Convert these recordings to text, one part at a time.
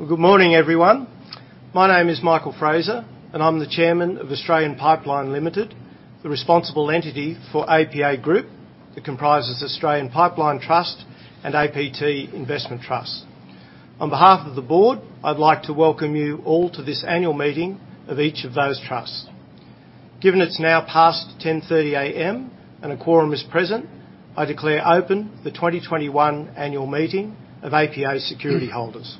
Well, good morning, everyone. My name is Michael Fraser, and I'm the Chairman of Australian Pipeline Ltd, the responsible entity for APA Group. It comprises Australian Pipeline Trust and APT Investment Trust. On behalf of the board, I'd like to welcome you all to this annual meeting of each of those trusts. Given it's now past 10:30AM and a quorum is present, I declare open the 2021 annual meeting of APA Security holders.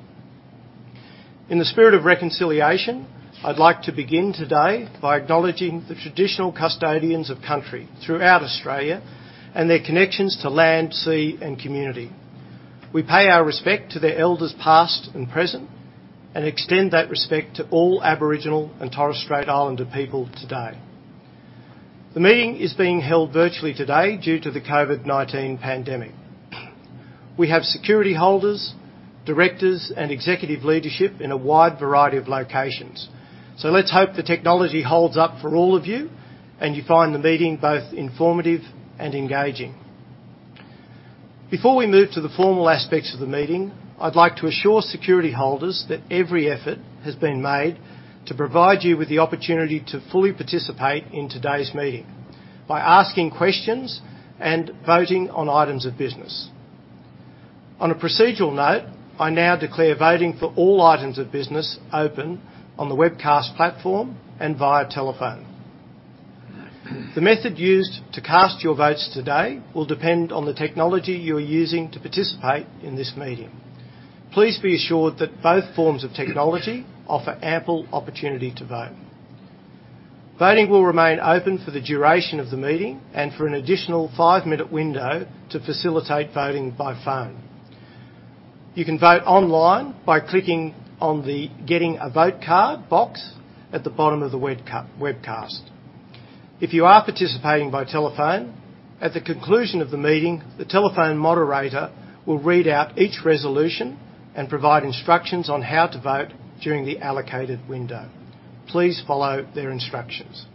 In the spirit of reconciliation, I'd like to begin today by acknowledging the traditional custodians of country throughout Australia and their connections to land, sea, and community. We pay our respect to their elders past and present, and extend that respect to all Aboriginal and Torres Strait Islander people today. The meeting is being held virtually today due to the COVID-19 pandemic. We have Security holders, Directors, and Executive leadership in a wide variety of locations. Let's hope the technology holds up for all of you and you find the meeting both informative and engaging. Before we move to the formal aspects of the meeting, I'd like to assure Security holders that every effort has been made to provide you with the opportunity to fully participate in today's meeting by asking questions and voting on items of business. On a procedural note, I now declare voting for all items of business open on the webcast platform and via telephone. The method used to cast your votes today will depend on the technology you are using to participate in this meeting. Please be assured that both forms of technology offer ample opportunity to vote. Voting will remain open for the duration of the meeting and for an additional 5-minute window to facilitate voting by phone. You can vote online by clicking on the Getting a Vote Card box at the bottom of the webcast. If you are participating by telephone, at the conclusion of the meeting, the telephone moderator will read out each resolution and provide instructions on how to vote during the allocated window. Please follow their instructions.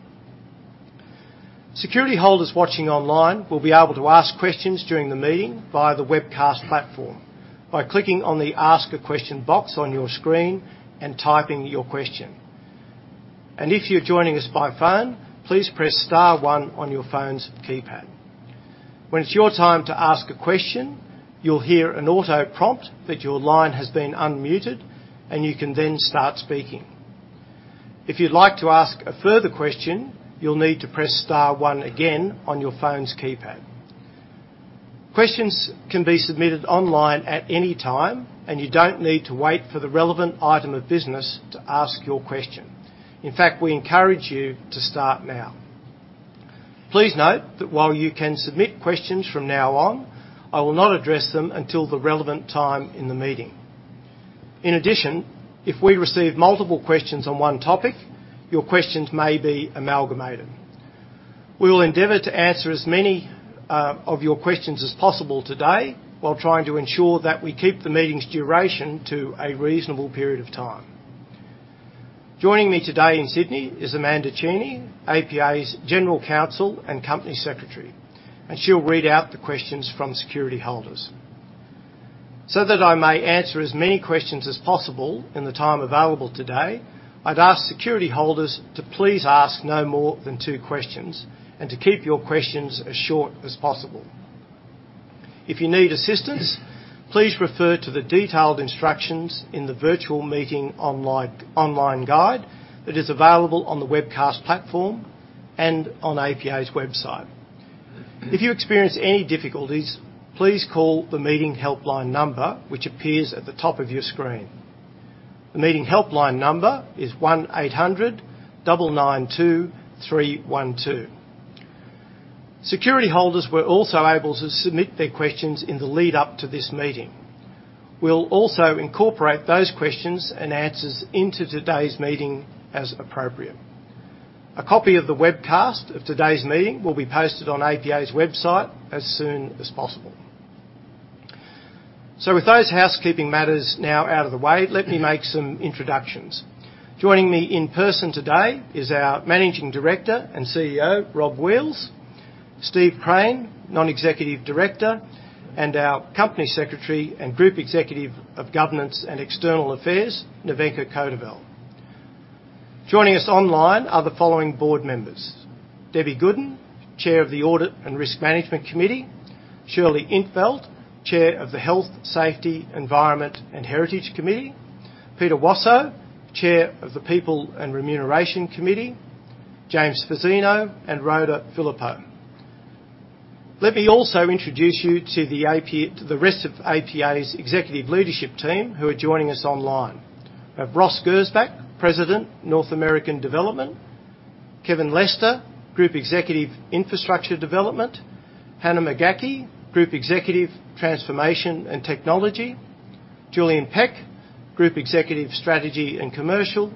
Security holders watching online will be able to ask questions during the meeting via the webcast platform by clicking on the Ask a Question box on your screen and typing your question. If you're joining us by phone, please press star one on your phone's keypad. When it's your time to ask a question, you'll hear an auto prompt that your line has been unmuted, and you can then start speaking. If you'd like to ask a further question, you'll need to press star one again on your phone's keypad. Questions can be submitted online at any time, you don't need to wait for the relevant item of business to ask your question. In fact, we encourage you to start now. Please note that while you can submit questions from now on, I will not address them until the relevant time in the meeting. In addition, if we receive multiple questions on one topic, your questions may be amalgamated. We will endeavor to answer as many of your questions as possible today while trying to ensure that we keep the meeting's duration to a reasonable period of time. Joining me today in Sydney is Amanda Cheney, APA's General Counsel and Company Secretary, and she'll read out the questions from Security holders. That I may answer as many questions as possible in the time available today, I'd ask Security holders to please ask no more than two questions and to keep your questions as short as possible. If you need assistance, please refer to the detailed instructions in the virtual meeting online guide that is available on the webcast platform and on APA's website. If you experience any difficulties, please call the meeting helpline number, which appears at the top of your screen. The meeting helpline number is 1-800-992-312. Security holders were also able to submit their questions in the lead up to this meeting. We'll also incorporate those questions and answers into today's meeting as appropriate. A copy of the webcast of today's meeting will be posted on APA's website as soon as possible. With those housekeeping matters now out of the way, let me make some introductions. Joining me in person today is our Managing Director and CEO, Rob Wheals. Steve Crane, Non-Executive Director, and our Company Secretary and Group Executive of Governance and External Affairs, Nevenka Codevelle. Joining us online are the following board members: Debbie Goodin, Chair of the Audit and Risk Management Committee, Shirley In't Veld, Chair of the Health, Safety, Environment, and Heritage Committee, Peter Wasow, Chair of the People and Remuneration Committee, James Fazzino, and Rhoda Phillippo. Let me also introduce you to the rest of APA's executive leadership team who are joining us online. We have Ross Gersbach, President, North American Development, Kevin Lester, Group Executive, Infrastructure Development, Hannah McCaughey, Group Executive, Transformation and Technology, Julian Peck, Group Executive, Strategy and Commercial,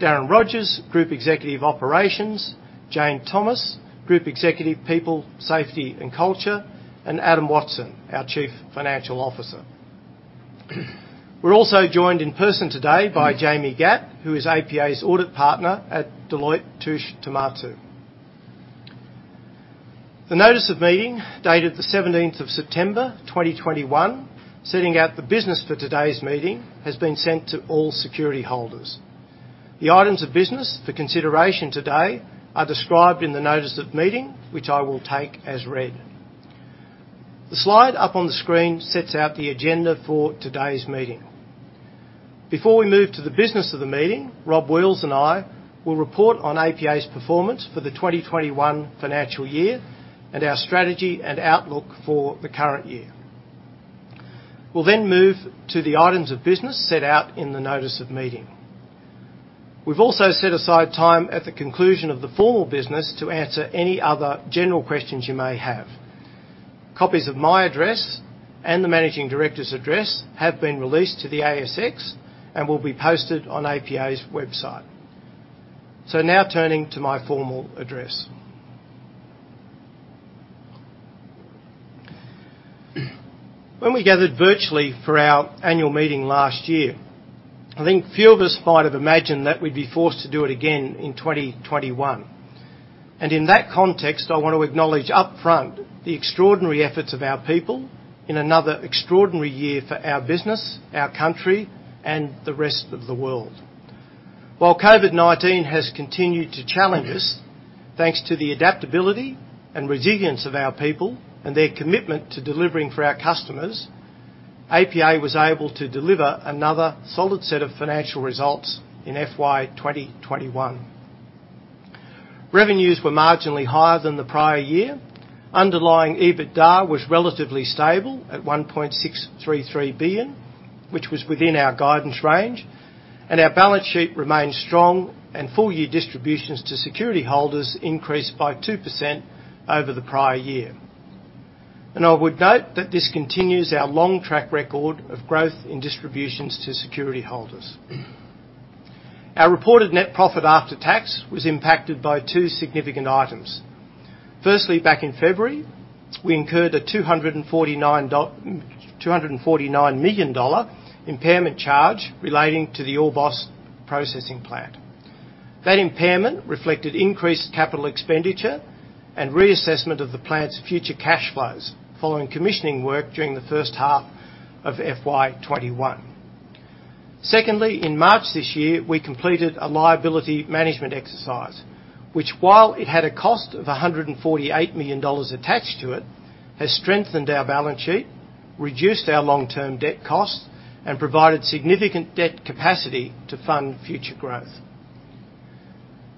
Darren Rogers, Group Executive, Operations, Jane Thomas, Group Executive, People, Safety, and Culture, and Adam Watson, our Chief Financial Officer. We're also joined in person today by Jamie Gatt, who is APA's Audit Partner at Deloitte Touche Tohmatsu. The notice of meeting dated the 17th of September 2021, setting out the business for today's meeting, has been sent to all Security holders. The items of business for consideration today are described in the notice of meeting, which I will take as read. The slide up on the screen sets out the agenda for today's meeting. Before we move to the business of the meeting, Rob Wheals and I will report on APA's performance for the 2021 financial year, and our strategy and outlook for the current year. We'll move to the items of business set out in the notice of meeting. We've also set aside time at the conclusion of the formal business to answer any other general questions you may have. Copies of my address and the Managing Director's address have been released to the ASX and will be posted on APA's website. Now turning to my formal address. When we gathered virtually for our annual meeting last year, I think few of us might have imagined that we'd be forced to do it again in 2021. In that context, I want to acknowledge upfront the extraordinary efforts of our people in another extraordinary year for our business, our country, and the rest of the world. While COVID-19 has continued to challenge us, thanks to the adaptability and resilience of our people and their commitment to delivering for our customers, APA was able to deliver another solid set of financial results in FY 2021. Revenues were marginally higher than the prior year. Underlying EBITDA was relatively stable at 1.633 billion, which was within our guidance range, and our balance sheet remained strong, and full-year distributions to Security holders increased by 2% over the prior year. I would note that this continues our long track record of growth in distributions to Security holders. Our reported net profit after tax was impacted by two significant items. Firstly, back in February, we incurred an 249 million dollar impairment charge relating to the Orbost processing plant. That impairment reflected increased capital expenditure and reassessment of the plant's future cash flows following commissioning work during the first half of FY 2021. Secondly, in March this year, we completed a liability management exercise, which while it had a cost of 148 million dollars attached to it, has strengthened our balance sheet, reduced our long-term debt costs, and provided significant debt capacity to fund future growth.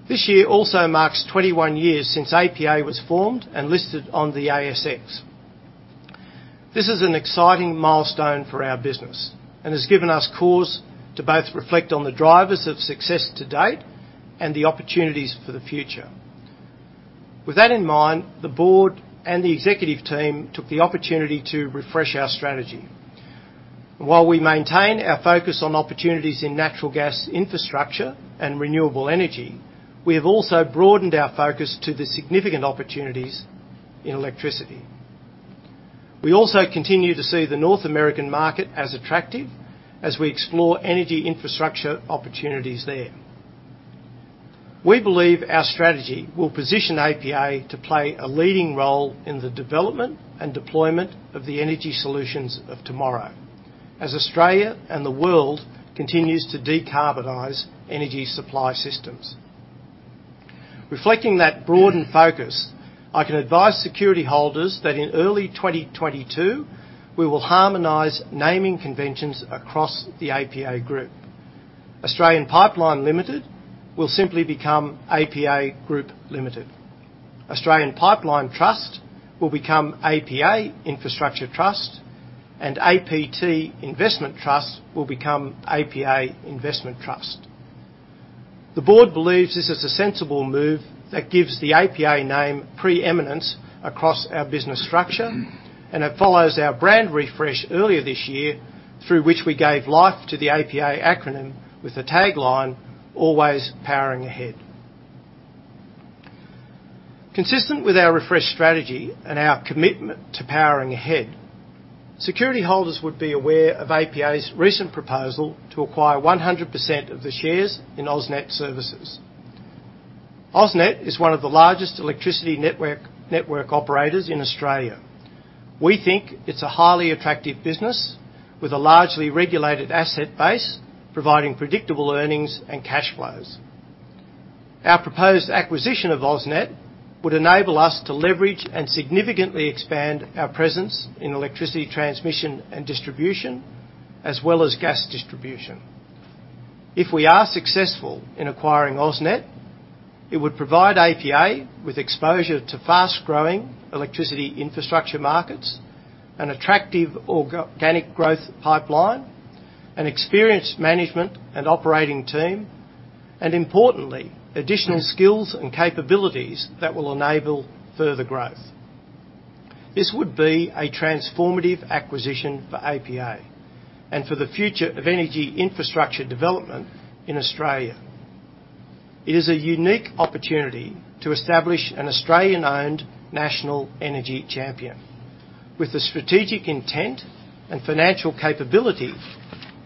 This year also marks 21 years since APA was formed and listed on the ASX. This is an exciting milestone for our business and has given us cause to both reflect on the drivers of success to date and the opportunities for the future. With that in mind, the board and the executive team took the opportunity to refresh our strategy. While we maintain our focus on opportunities in natural gas infrastructure and renewable energy, we have also broadened our focus to the significant opportunities in electricity. We also continue to see the North American market as attractive as we explore energy infrastructure opportunities there. We believe our strategy will position APA to play a leading role in the development and deployment of the energy solutions of tomorrow as Australia and the world continues to decarbonize energy supply systems. Reflecting that broadened focus, I can advise Security holders that in early 2022, we will harmonize naming conventions across the APA Group. Australian Pipeline Ltd will simply become APA Group Ltd. Australian Pipeline Trust will become APA Infrastructure Trust, and APT Investment Trust will become APA Investment Trust. The board believes this is a sensible move that gives the APA name preeminence across our business structure, and it follows our brand refresh earlier this year, through which we gave life to the APA acronym with the tagline, Always Powering Ahead. Consistent with our refresh strategy and our commitment to powering ahead, Security holders would be aware of APA's recent proposal to acquire 100% of the shares in AusNet Services. AusNet is one of the largest electricity network operators in Australia. We think it's a highly attractive business with a largely regulated asset base, providing predictable earnings and cash flows. Our proposed acquisition of AusNet would enable us to leverage and significantly expand our presence in electricity transmission and distribution, as well as gas distribution. If we are successful in acquiring AusNet, it would provide APA with exposure to fast-growing electricity infrastructure markets, an attractive organic growth pipeline, an experienced management and operating team, and importantly, additional skills and capabilities that will enable further growth. This would be a transformative acquisition for APA and for the future of energy infrastructure development in Australia. It is a unique opportunity to establish an Australian-owned national energy champion. With the strategic intent and financial capability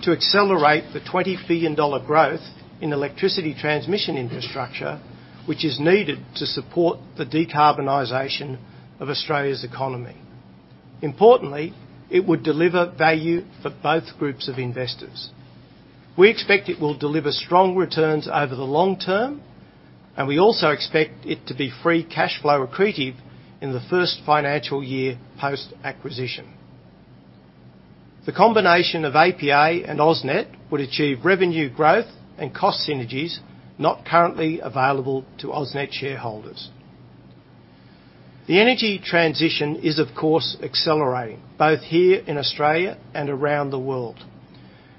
to accelerate the 20 billion dollar growth in electricity transmission infrastructure, which is needed to support the decarbonization of Australia's economy. Importantly, it would deliver value for both groups of investors. We expect it will deliver strong returns over the long term, and we also expect it to be free cash flow accretive in the first financial year post-acquisition. The combination of APA and AusNet would achieve revenue growth and cost synergies not currently available to AusNet shareholders. The energy transition is of course accelerating, both here in Australia and around the world.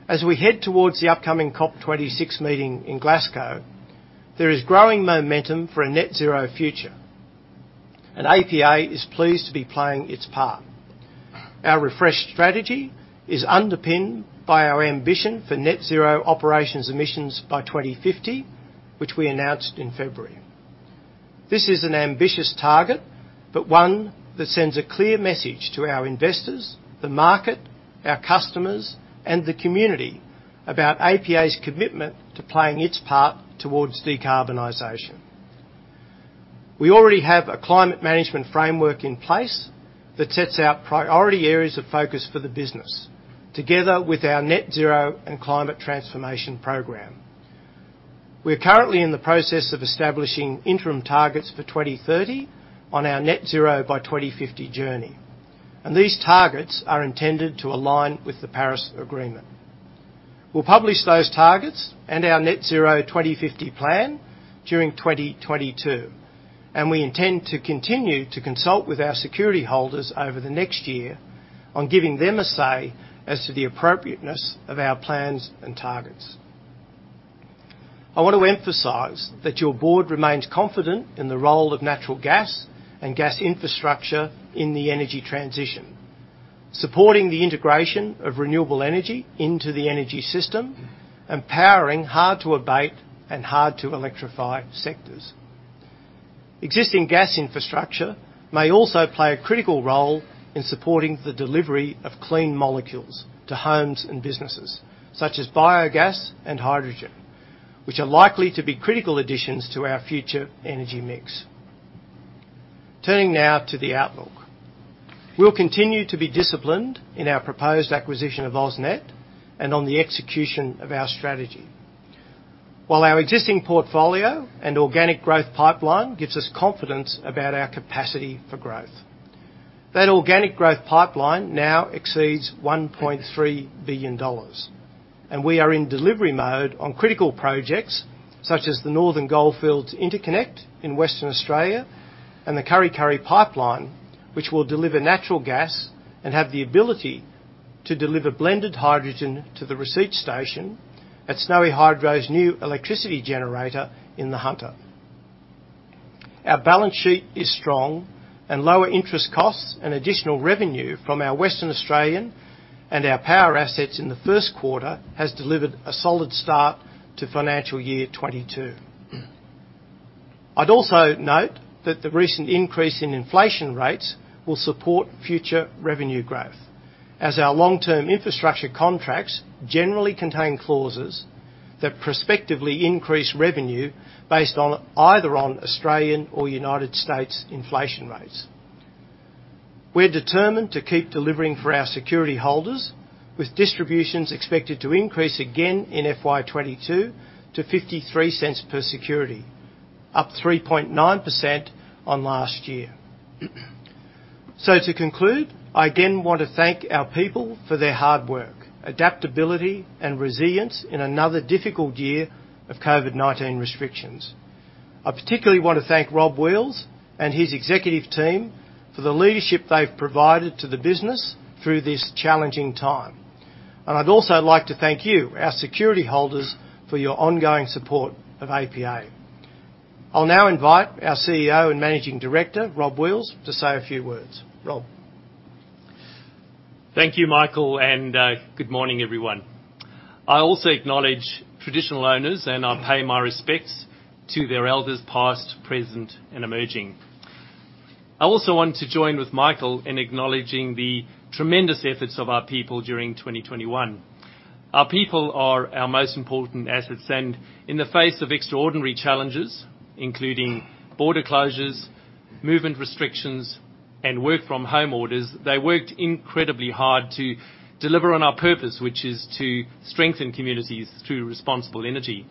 As we head towards the upcoming COP26 meeting in Glasgow, there is growing momentum for a net zero future, and APA is pleased to be playing its part. Our refreshed strategy is underpinned by our ambition for net zero operations emissions by 2050, which we announced in February. This is an ambitious target, but one that sends a clear message to our investors, the market, our customers, and the community about APA's commitment to playing its part towards decarbonization. We already have a climate management framework in place that sets out priority areas of focus for the business, together with our net zero and climate transformation program. We are currently in the process of establishing interim targets for 2030 on our net zero by 2050 journey. These targets are intended to align with the Paris Agreement. We'll publish those targets and our net zero 2050 plan during 2022. We intend to continue to consult with our Security holders over the next year on giving them a say as to the appropriateness of our plans and targets. I want to emphasize that your board remains confident in the role of natural gas and gas infrastructure in the energy transition, supporting the integration of renewable energy into the energy system and powering hard-to-abate and hard-to-electrify sectors. Existing gas infrastructure may also play a critical role in supporting the delivery of clean molecules to homes and businesses, such as biogas and hydrogen, which are likely to be critical additions to our future energy mix. Turning now to the outlook. We'll continue to be disciplined in our proposed acquisition of AusNet and on the execution of our strategy. While our existing portfolio and organic growth pipeline gives us confidence about our capacity for growth. That organic growth pipeline now exceeds 1.3 billion dollars, and we are in delivery mode on critical projects such as the Northern Goldfields Interconnect in Western Australia and the Kurri Kurri pipeline, which will deliver natural gas and have the ability to deliver blended hydrogen to the receipt station at Snowy Hydro's new electricity generator in the Hunter. Our balance sheet is strong, lower interest costs and additional revenue from our Western Australian and our power assets in the first quarter has delivered a solid start to FY 2022. I'd also note that the recent increase in inflation rates will support future revenue growth, as our long-term infrastructure contracts generally contain clauses that prospectively increase revenue based on either Australian or U.S. inflation rates. We're determined to keep delivering for our Security holders, with distributions expected to increase again in FY 2022 to AUD 0.53 per security, up 3.9% on last year. To conclude, I again want to thank our people for their hard work, adaptability, and resilience in another difficult year of COVID-19 restrictions. I particularly want to thank Rob Wheals and his executive team for the leadership they've provided to the business through this challenging time. I'd also like to thank you, our Security holders, for your ongoing support of APA. I'll now invite our CEO and Managing Director, Rob Wheals, to say a few words. Rob. Thank you, Michael, good morning, everyone. I also acknowledge traditional owners, I pay my respects to their elders, past, present, and emerging. I also want to join with Michael in acknowledging the tremendous efforts of our people during 2021. Our people are our most important assets, in the face of extraordinary challenges, including border closures, movement restrictions, and work from home orders, they worked incredibly hard to deliver on our purpose, which is to strengthen communities through responsible energy.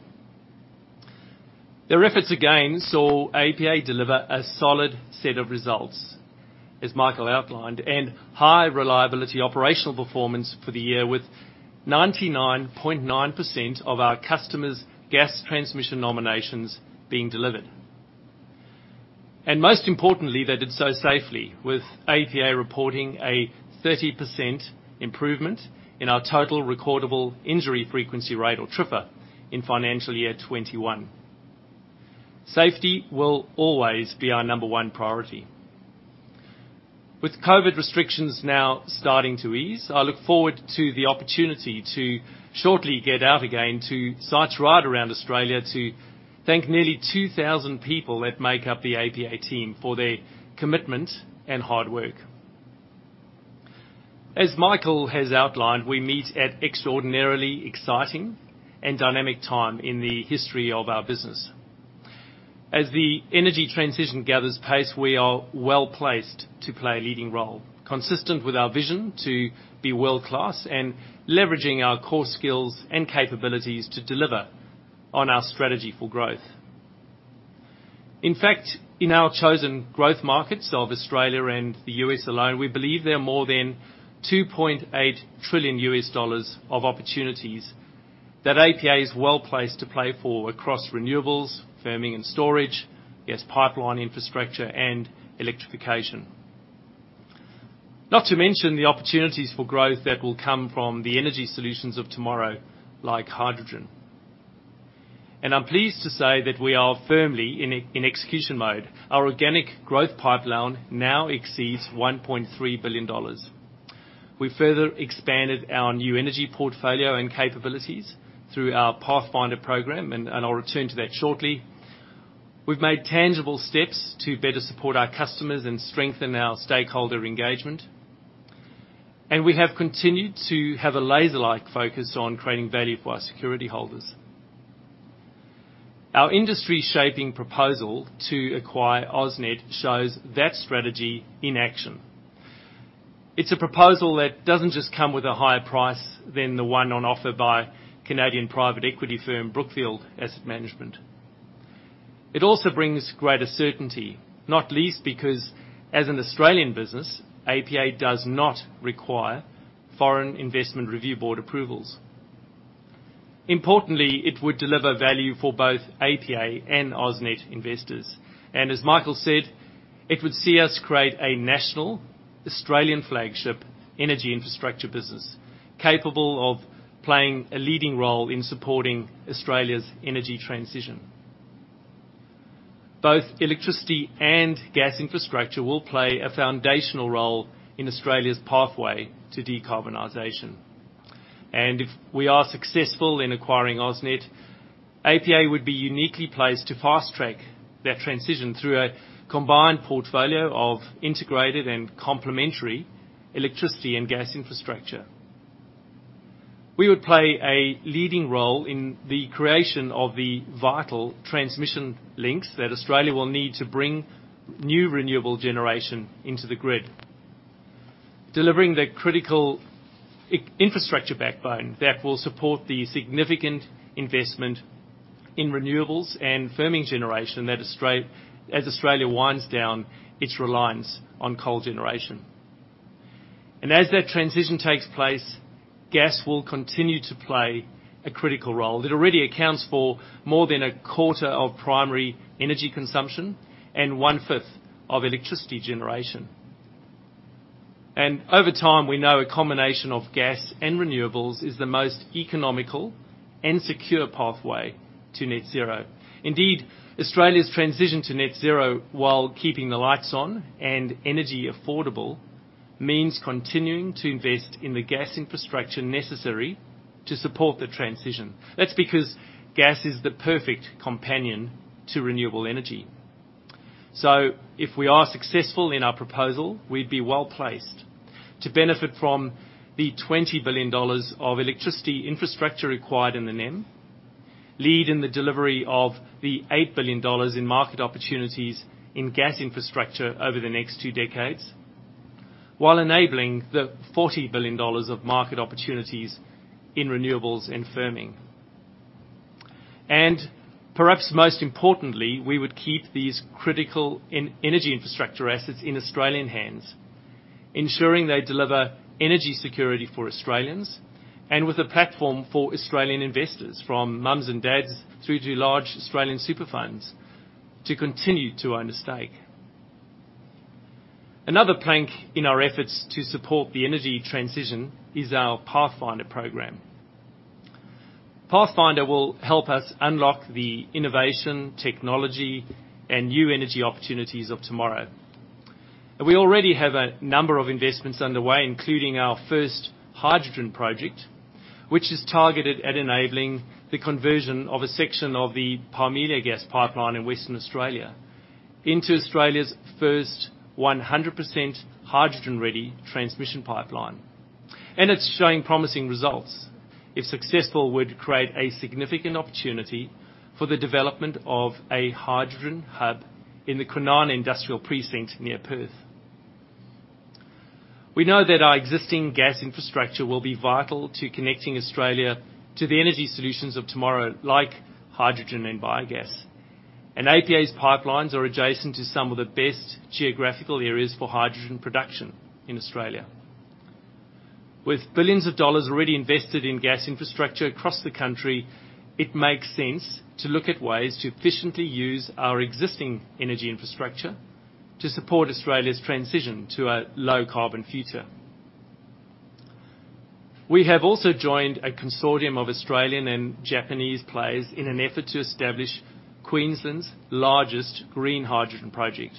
Their efforts again saw APA deliver a solid set of results, as Michael outlined, high reliability operational performance for the year, with 99.9% of our customers' gas transmission nominations being delivered. Most importantly, they did so safely, with APA reporting a 30% improvement in our total recordable injury frequency rate, or TRIFR, in FY 2021. Safety will always be our number one priority. With COVID restrictions now starting to ease, I look forward to the opportunity to shortly get out again to sites right around Australia to thank nearly 2,000 people that make up the APA team for their commitment and hard work. As Michael has outlined, we meet at extraordinarily exciting and dynamic time in the history of our business. As the energy transition gathers pace, we are well-placed to play a leading role, consistent with our vision to be world-class and leveraging our core skills and capabilities to deliver on our strategy for growth. In fact, in our chosen growth markets of Australia and the U.S. alone, we believe there are more than $2.8 trillion U.S. of opportunities that APA is well-placed to play for across renewables, firming and storage, gas pipeline infrastructure, and electrification. Not to mention the opportunities for growth that will come from the energy solutions of tomorrow, like hydrogen. I'm pleased to say that we are firmly in execution mode. Our organic growth pipeline now exceeds 1.3 billion dollars. We further expanded our new energy portfolio and capabilities through our Pathfinder program, and I'll return to that shortly. We've made tangible steps to better support our customers and strengthen our stakeholder engagement, and we have continued to have a laser-like focus on creating value for our Security holders. Our industry shaping proposal to acquire AusNet shows that strategy in action. It's a proposal that doesn't just come with a higher price than the one on offer by Canadian private equity firm Brookfield Asset Management. It also brings greater certainty, not least because as an Australian business, APA does not require Foreign Investment Review Board approvals. Importantly, it would deliver value for both APA and AusNet investors, as Michael said, it would see us create a national Australian flagship energy infrastructure business capable of playing a leading role in supporting Australia's energy transition. Both electricity and gas infrastructure will play a foundational role in Australia's pathway to decarbonization. If we are successful in acquiring AusNet, APA would be uniquely placed to fast-track that transition through a combined portfolio of integrated and complementary electricity and gas infrastructure. We would play a leading role in the creation of the vital transmission links that Australia will need to bring new renewable generation into the grid, delivering the critical infrastructure backbone that will support the significant investment in renewables and firming generation as Australia winds down its reliance on coal generation. As that transition takes place, gas will continue to play a critical role. It already accounts for more than a quarter of primary energy consumption and one-fifth of electricity generation. Over time, we know a combination of gas and renewables is the most economical and secure pathway to net zero. Indeed, Australia's transition to net zero while keeping the lights on and energy affordable, means continuing to invest in the gas infrastructure necessary to support the transition. That's because gas is the perfect companion to renewable energy. If we are successful in our proposal, we'd be well-placed to benefit from the 20 billion dollars of electricity infrastructure required in the NEM, lead in the delivery of the 8 billion dollars in market opportunities in gas infrastructure over the next two decades, while enabling the 40 billion dollars of market opportunities in renewables and firming. Perhaps most importantly, we would keep these critical energy infrastructure assets in Australian hands, ensuring they deliver energy security for Australians, and with a platform for Australian investors, from moms and dads through to large Australian super funds, to continue to own a stake. Another plank in our efforts to support the energy transition is our Pathfinder program. Pathfinder will help us unlock the innovation, technology, and new energy opportunities of tomorrow. We already have a number of investments underway, including our first hydrogen project, which is targeted at enabling the conversion of a section of the Parmelia Gas Pipeline in Western Australia into Australia's first 100% hydrogen-ready transmission pipeline. It's showing promising results. If successful, would create a significant opportunity for the development of a hydrogen hub in the Kwinana Industrial Precinct near Perth. We know that our existing gas infrastructure will be vital to connecting Australia to the energy solutions of tomorrow, like hydrogen and biogas. APA's pipelines are adjacent to some of the best geographical areas for hydrogen production in Australia. With billions of AUD already invested in gas infrastructure across the country, it makes sense to look at ways to efficiently use our existing energy infrastructure to support Australia's transition to a low-carbon future. We have also joined a consortium of Australian and Japanese players in an effort to establish Queensland's largest green hydrogen project.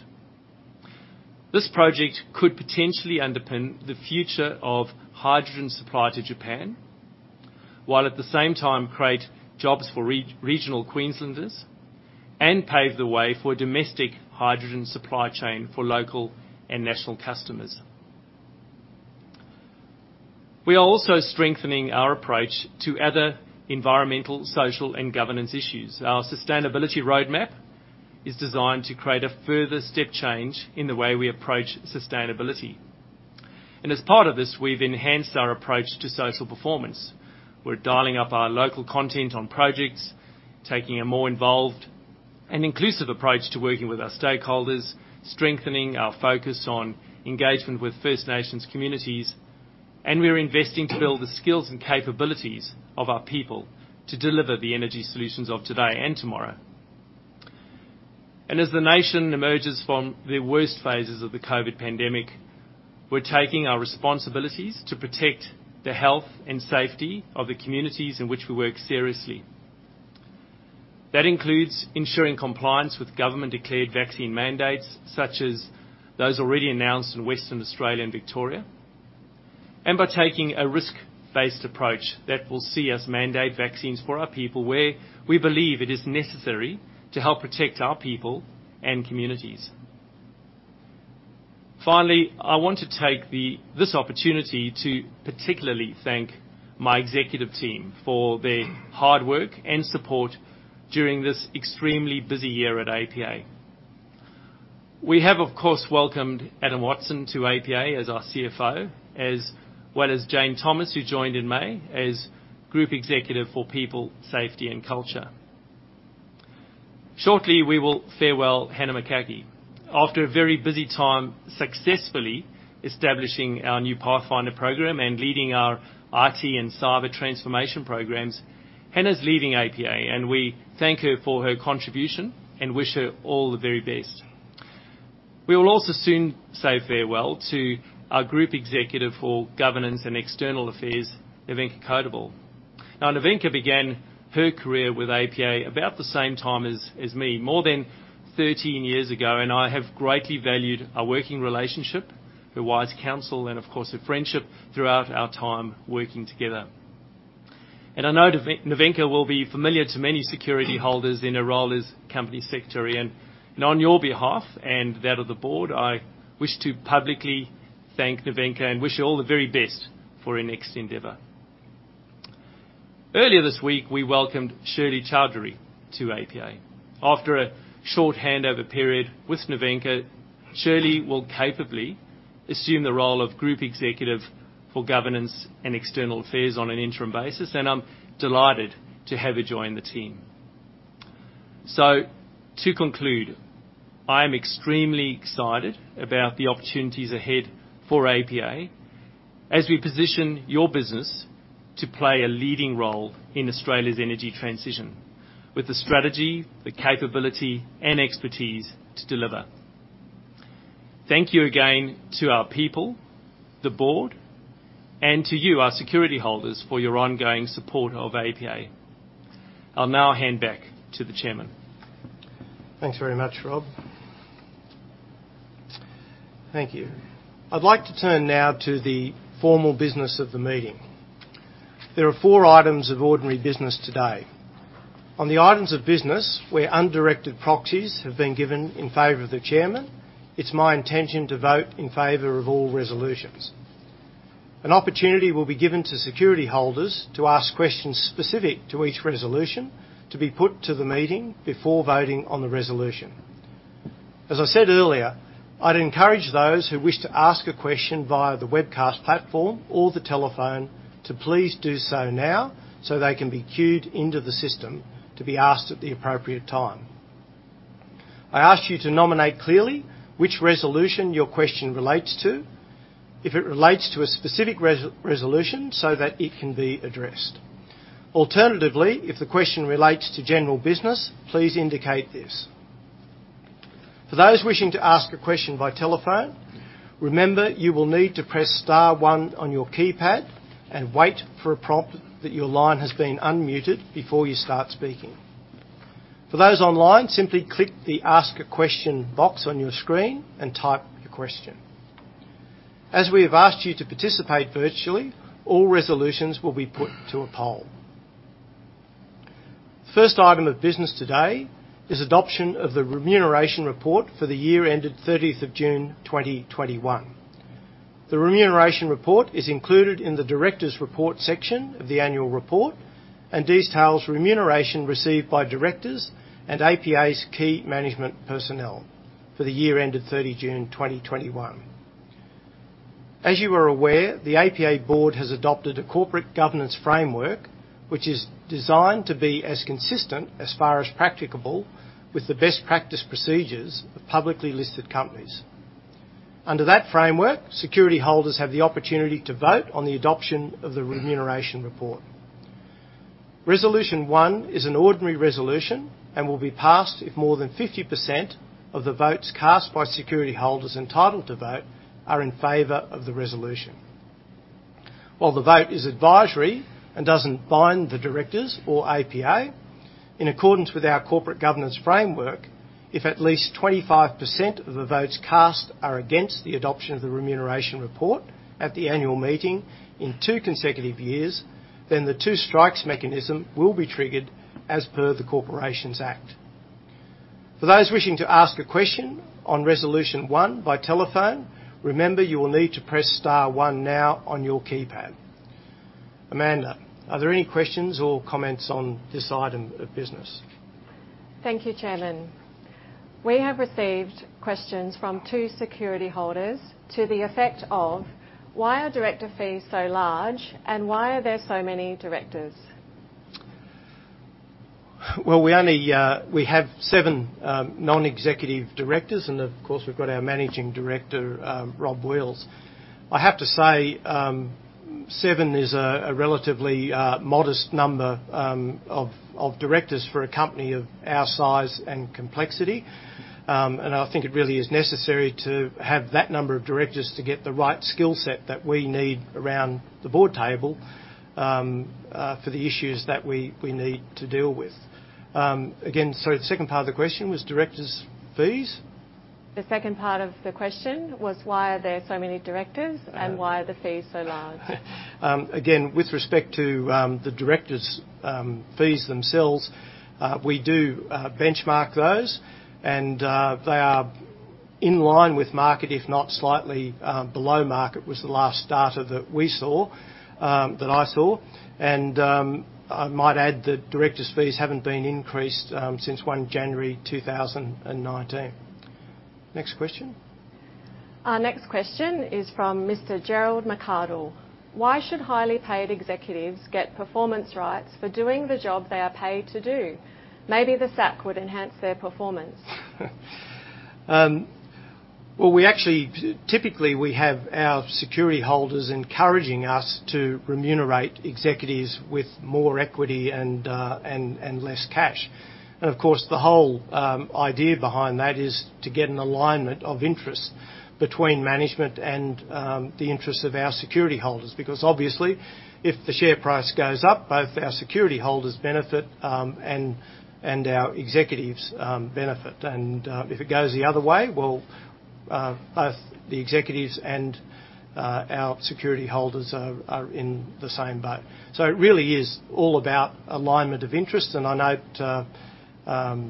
This project could potentially underpin the future of hydrogen supply to Japan while at the same time create jobs for regional Queenslanders and pave the way for domestic hydrogen supply chain for local and national customers. We are also strengthening our approach to other environmental, social, and governance issues. Our sustainability roadmap is designed to create a further step change in the way we approach sustainability. As part of this, we've enhanced our approach to social performance. We're dialing up our local content on projects, taking a more involved and inclusive approach to working with our stakeholders, strengthening our focus on engagement with First Nations communities, and we are investing to build the skills and capabilities of our people to deliver the energy solutions of today and tomorrow. As the nation emerges from the worst phases of the COVID-19 pandemic, we're taking our responsibilities to protect the health and safety of the communities in which we work seriously. That includes ensuring compliance with government-declared vaccine mandates, such as those already announced in Western Australia and Victoria. By taking a risk-based approach that will see us mandate vaccines for our people where we believe it is necessary to help protect our people and communities. Finally, I want to take this opportunity to particularly thank my executive team for their hard work and support during this extremely busy year at APA. We have, of course, welcomed Adam Watson to APA as our CFO, as well as Jane Thomas, who joined in May as Group Executive for People, Safety, and Culture. Shortly, we will farewell Hannah McCaughey. After a very busy time successfully establishing our new Pathfinder program and leading our IT and cyber transformation programs, Hannah's leaving APA, and we thank her for her contribution and wish her all the very best. We will also soon say farewell to our Group Executive for Governance and External Affairs, Nevenka Codevelle. Nevenka began her career with APA about the same time as me, more than 13 years ago. I have greatly valued our working relationship, her wise counsel, and of course, her friendship throughout our time working together. I know Nevenka will be familiar to many Security holders in her role as Company Secretary. On your behalf and that of the Board, I wish to publicly thank Nevenka and wish her all the very best for her next endeavor. Earlier this week, we welcomed Shirley Chowdhary to APA. After a short handover period with Nevenka, Shirley will capably assume the role of Group Executive for Governance and External Affairs on an interim basis. I am delighted to have her join the team. To conclude, I am extremely excited about the opportunities ahead for APA as we position your business to play a leading role in Australia's energy transition with the strategy, the capability, and expertise to deliver. Thank you again to our people, the board, and to you, our Security holders, for your ongoing support of APA. I'll now hand back to the Chairman. Thanks very much, Rob. Thank you. I'd like to turn now to the formal business of the meeting. There are four items of ordinary business today. On the items of business where undirected proxies have been given in favor of the chairman, it's my intention to vote in favor of all resolutions. An opportunity will be given to Security holders to ask questions specific to each resolution to be put to the meeting before voting on the resolution. As I said earlier, I'd encourage those who wish to ask a question via the webcast platform or the telephone to please do so now so they can be queued into the system to be asked at the appropriate time. I ask you to nominate clearly which resolution your question relates to, if it relates to a specific resolution so that it can be addressed. Alternatively, if the question relates to general business, please indicate this. For those wishing to ask a question by telephone, remember you will need to press star one on your keypad and wait for a prompt that your line has been unmuted before you start speaking. For those online, simply click the Ask a Question box on your screen and type your question. As we have asked you to participate virtually, all resolutions will be put to a poll. First item of business today is adoption of the remuneration report for the year ended 30th of June 2021. The remuneration report is included in the directors report section of the annual report and details remuneration received by directors and APA's key management personnel for the year ended 30 June 2021. As you are aware, the APA Board has adopted a corporate governance framework, which is designed to be as consistent as far as practicable with the best practice procedures of publicly listed companies. Under that framework, Security holders have the opportunity to vote on the adoption of the remuneration report. Resolution 1 is an ordinary resolution and will be passed if more than 50% of the votes cast by Security holders entitled to vote are in favor of the resolution. While the vote is advisory and doesn't bind the directors or APA. In accordance with our corporate governance framework, if at least 25% of the votes cast are against the adoption of the remuneration report at the annual meeting in two consecutive years, then the two strikes mechanism will be triggered as per the Corporations Act. For those wishing to ask a question on resolution one by telephone, remember, you will need to press star one now on your keypad. Amanda, are there any questions or comments on this item of business? Thank you, Chairman. We have received questions from two Security holders to the effect of, "Why are director fees so large, and why are there so many directors? We have seven non-executive directors, and of course, we've got our Managing Director, Rob Wheals. I have to say, seven is a relatively modest number of directors for a company of our size and complexity. I think it really is necessary to have that number of directors to get the right skill set that we need around the board table for the issues that we need to deal with. Sorry, the second part of the question was director's fees? The second part of the question was why are there so many directors and why are the fees so large? With respect to the director's fees themselves, we do benchmark those, and they are in line with market, if not slightly below market, was the last data that we saw, that I saw. I might add that director's fees haven't been increased since 1 January 2019. Next question. Our next question is from Mr Gerard McArdle: Why should highly paid executives get performance rights for doing the job they are paid to do? Maybe the sack would enhance their performance. Well, typically, we have our Security holders encouraging us to remunerate executives with more equity and less cash. Of course, the whole idea behind that is to get an alignment of interest between management and the interests of our Security holders, because obviously, if the share price goes up, both our Security holders benefit, and our executives benefit. If it goes the other way, well, both the executives and our Security holders are in the same boat. It really is all about alignment of interest, and I note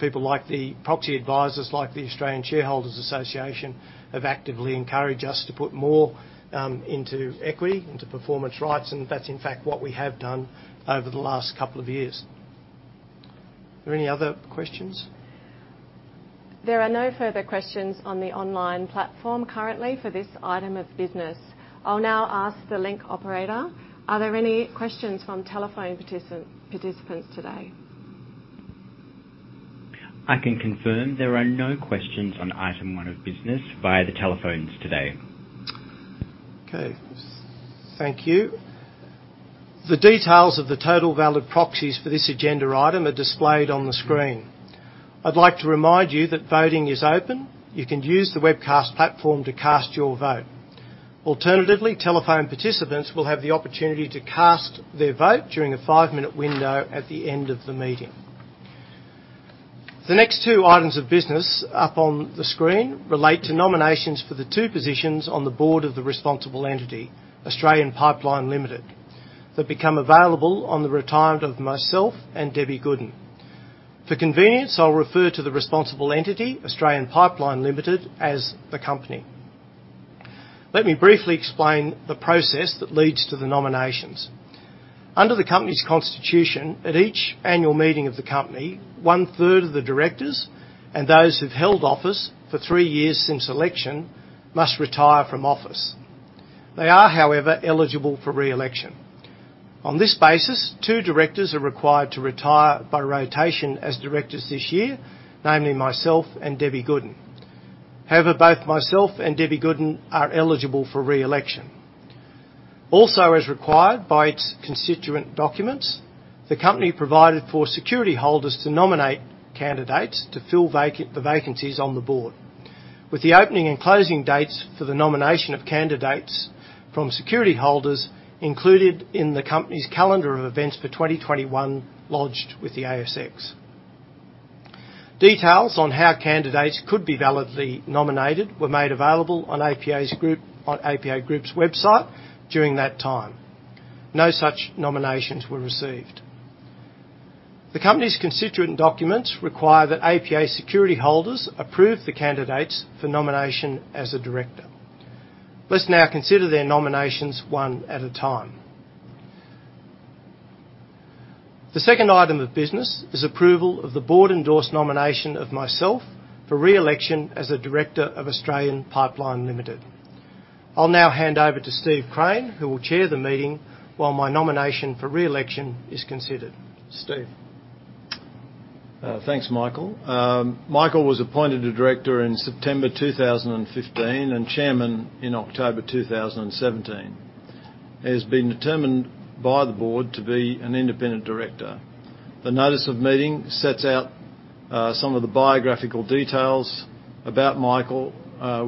people like the proxy advisors, like the Australian Shareholders' Association, have actively encouraged us to put more into equity, into performance rights, and that's in fact what we have done over the last couple of years. Are there any other questions? There are no further questions on the online platform currently for this item of business. I'll now ask the Link operator, are there any questions from telephone participants today? I can confirm there are no questions on item one of business via the telephones today. Okay. Thank you. The details of the total valid proxies for this agenda item are displayed on the screen. I'd like to remind you that voting is open. You can use the webcast platform to cast your vote. Alternatively, telephone participants will have the opportunity to cast their vote during a 5-minute window at the end of the meeting. The next 2 items of business up on the screen relate to nominations for the 2 positions on the board of the responsible entity, Australian Pipeline Ltd, that become available on the retirement of myself and Debbie Goodin. For convenience, I'll refer to the responsible entity, Australian Pipeline Ltd, as the company. Let me briefly explain the process that leads to the nominations. Under the company's constitution, at each annual meeting of the company, one-third of the directors and those who've held office for three years since election must retire from office. They are, however, eligible for re-election. On this basis, two directors are required to retire by rotation as directors this year, namely myself and Debbie Goodin. However, both myself and Debbie Goodin are eligible for re-election. Also, as required by its constituent documents, the company provided for Security holders to nominate candidates to fill the vacancies on the board. With the opening and closing dates for the nomination of candidates from Security holders included in the company's calendar of events for 2021 lodged with the ASX. Details on how candidates could be validly nominated were made available on APA Group's website during that time. No such nominations were received. The company's constituent documents require that APA Security holders approve the candidates for nomination as a director. Let's now consider their nominations one at a time. The second item of business is approval of the board-endorsed nomination of myself for re-election as a director of Australian Pipeline Ltd. I'll now hand over to Steve Crane, who will Chair the meeting while my nomination for re-election is considered. Steve. Thanks, Michael. Michael was appointed a Director in September 2015 and Chairman in October 2017. He has been determined by the board to be an Independent Director. The notice of meeting sets out some of the biographical details about Michael,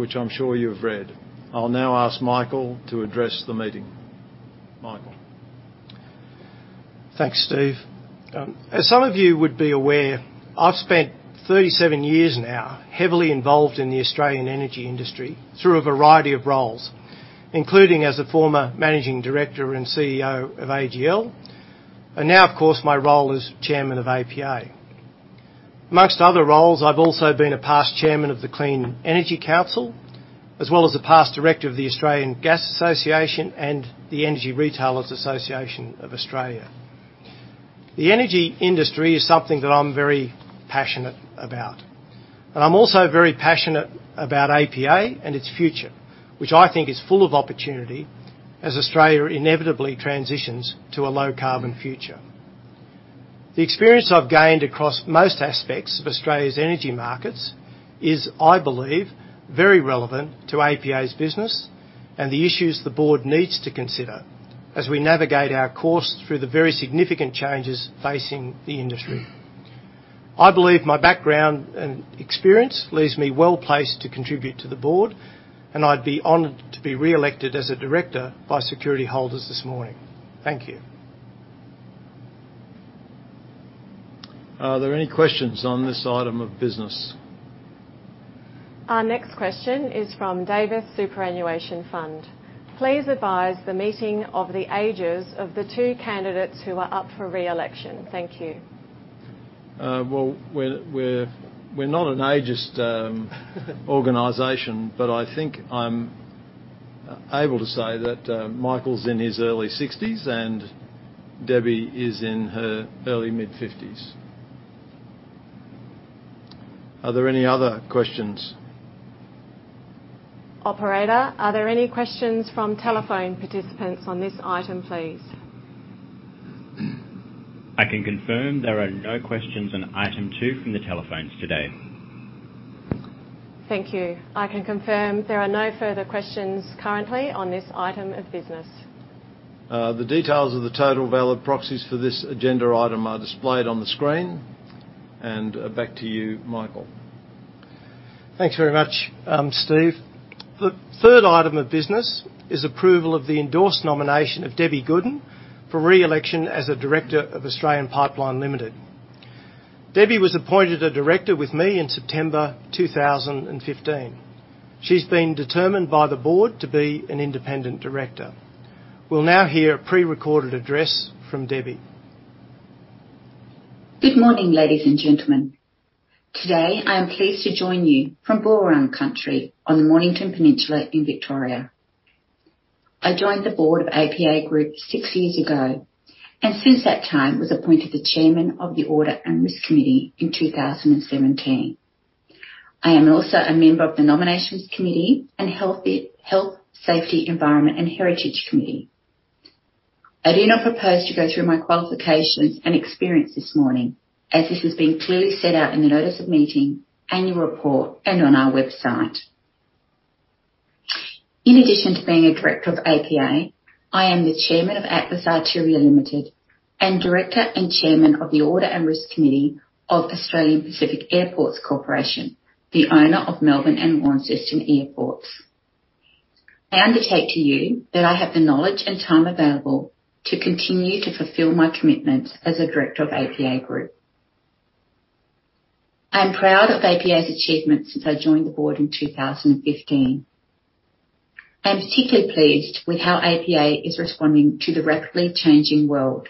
which I'm sure you've read. I'll now ask Michael to address the meeting. Michael. Thanks, Steve. As some of you would be aware, I've spent 37 years now heavily involved in the Australian energy industry through a variety of roles, including as a former managing director and CEO of AGL, and now of course, my role as Chairman of APA. Among other roles, I've also been a past chairman of the Clean Energy Council, as well as a past director of the Australian Gas Association, and the Energy Retailers Association of Australia. The energy industry is something that I'm very passionate about, and I'm also very passionate about APA and its future, which I think is full of opportunity as Australia inevitably transitions to a low-carbon future. The experience I've gained across most aspects of Australia's energy markets is, I believe, very relevant to APA's business and the issues the board needs to consider as we navigate our course through the very significant changes facing the industry. I believe my background and experience leaves me well-placed to contribute to the board, and I'd be honored to be reelected as a director by Security holders this morning. Thank you. Are there any questions on this item of business? Our next question is from David Superannuation Fund. "Please advise the meeting of the ages of the two candidates who are up for reelection. Thank you. Well, we're not an ageist organization, but I think I'm able to say that Michael's in his early 60s, and Debbie is in her early mid-50s. Are there any other questions? Operator, are there any questions from telephone participants on this item, please? I can confirm there are no questions on item 2 from the telephones today. Thank you. I can confirm there are no further questions currently on this item of business. The details of the total valid proxies for this agenda item are displayed on the screen. Back to you, Michael. Thanks very much, Steve. The third item of business is approval of the endorsed nomination of Debbie Goodin for re-election as a Director of Australian Pipeline Ltd. Debbie was appointed a Director with me in September 2015. She's been determined by the board to be an Independent Director. We'll now hear a prerecorded address from Debbie. Good morning, ladies and gentlemen. Today, I am pleased to join you from Boonwurrung country on the Mornington Peninsula in Victoria. I joined the board of APA Group six years ago, and since that time was appointed the Chairman of the Audit and Risk Committee in 2017. I am also a member of the Nominations Committee and Health, Safety, Environment, and Heritage Committee. I do not propose to go through my qualifications and experience this morning, as this has been clearly set out in the notice of meeting, annual report, and on our website. In addition to being a Director of APA, I am the Chairman of Atlas Arteria Ltd, and Director and Chairman of the Audit and Risk Committee of Australia Pacific Airports Corporation, the owner of Melbourne and Launceston Airports. I undertake to you that I have the knowledge and time available to continue to fulfill my commitments as a director of APA Group. I am proud of APA's achievements since I joined the board in 2015. I am particularly pleased with how APA is responding to the rapidly changing world,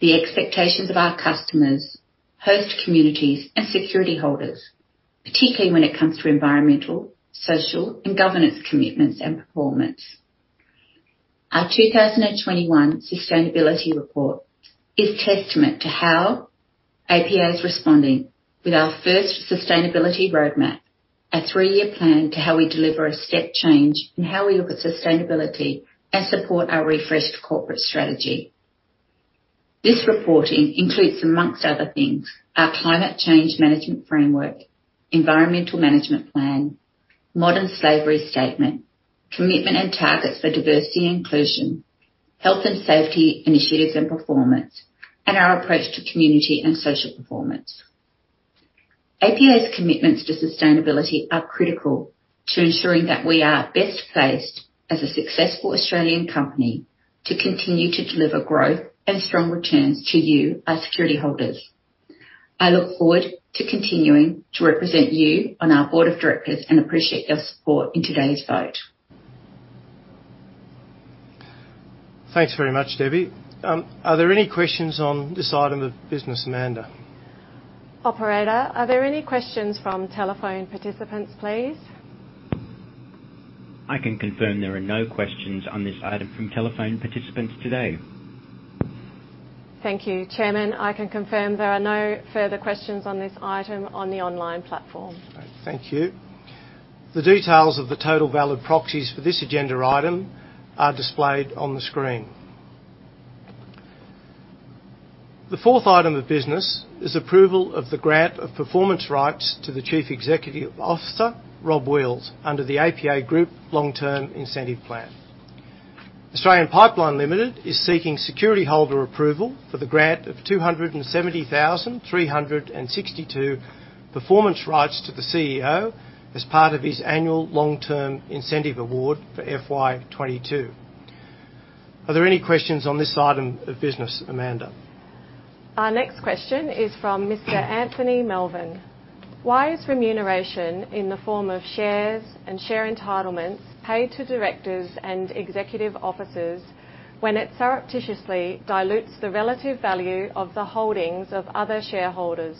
the expectations of our customers, host communities, and Security holders, particularly when it comes to environmental, social, and governance commitments and performance. Our 2021 sustainability report is testament to how APA is responding with our first sustainability roadmap, a three-year plan to how we deliver a step change in how we look at sustainability and support our refreshed corporate strategy. This reporting includes, amongst other things, our climate change management framework, environmental management plan, modern slavery statement, commitment and targets for diversity and inclusion, health and safety initiatives and performance, and our approach to community and social performance. APA's commitments to sustainability are critical to ensuring that we are best placed as a successful Australian company to continue to deliver growth and strong returns to you, our Security holders. I look forward to continuing to represent you on our board of directors and appreciate your support in today's vote. Thanks very much, Debbie. Are there any questions on this item of business, Amanda? Operator, are there any questions from telephone participants, please? I can confirm there are no questions on this item from telephone participants today. Thank you. Chairman, I can confirm there are no further questions on this item on the online platform. Thank you. The details of the total valid proxies for this agenda item are displayed on the screen. The fourth item of business is approval of the grant of performance rights to the Chief Executive Officer, Rob Wheals, under the APA Group Long-Term Incentive Plan. Australian Pipeline Ltd is seeking security holder approval for the grant of 270,362 performance rights to the CEO as part of his annual long-term incentive award for FY 2022. Are there any questions on this item of business, Amanda? Our next question is from Mr. Anthony Melvin: Why is remuneration in the form of shares and share entitlements paid to directors and executive officers when it surreptitiously dilutes the relative value of the holdings of other shareholders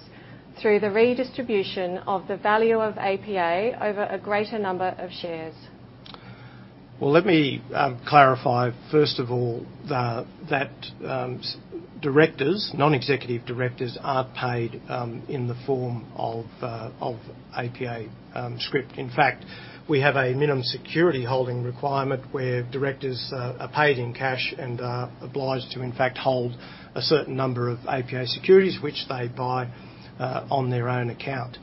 through the redistribution of the value of APA over a greater number of shares? Well, let me clarify, first of all, that non-executive directors aren't paid in the form of APA script. In fact, we have a minimum security holding requirement where directors are paid in cash and are obliged to, in fact, hold a certain number of APA securities, which they buy on their own account.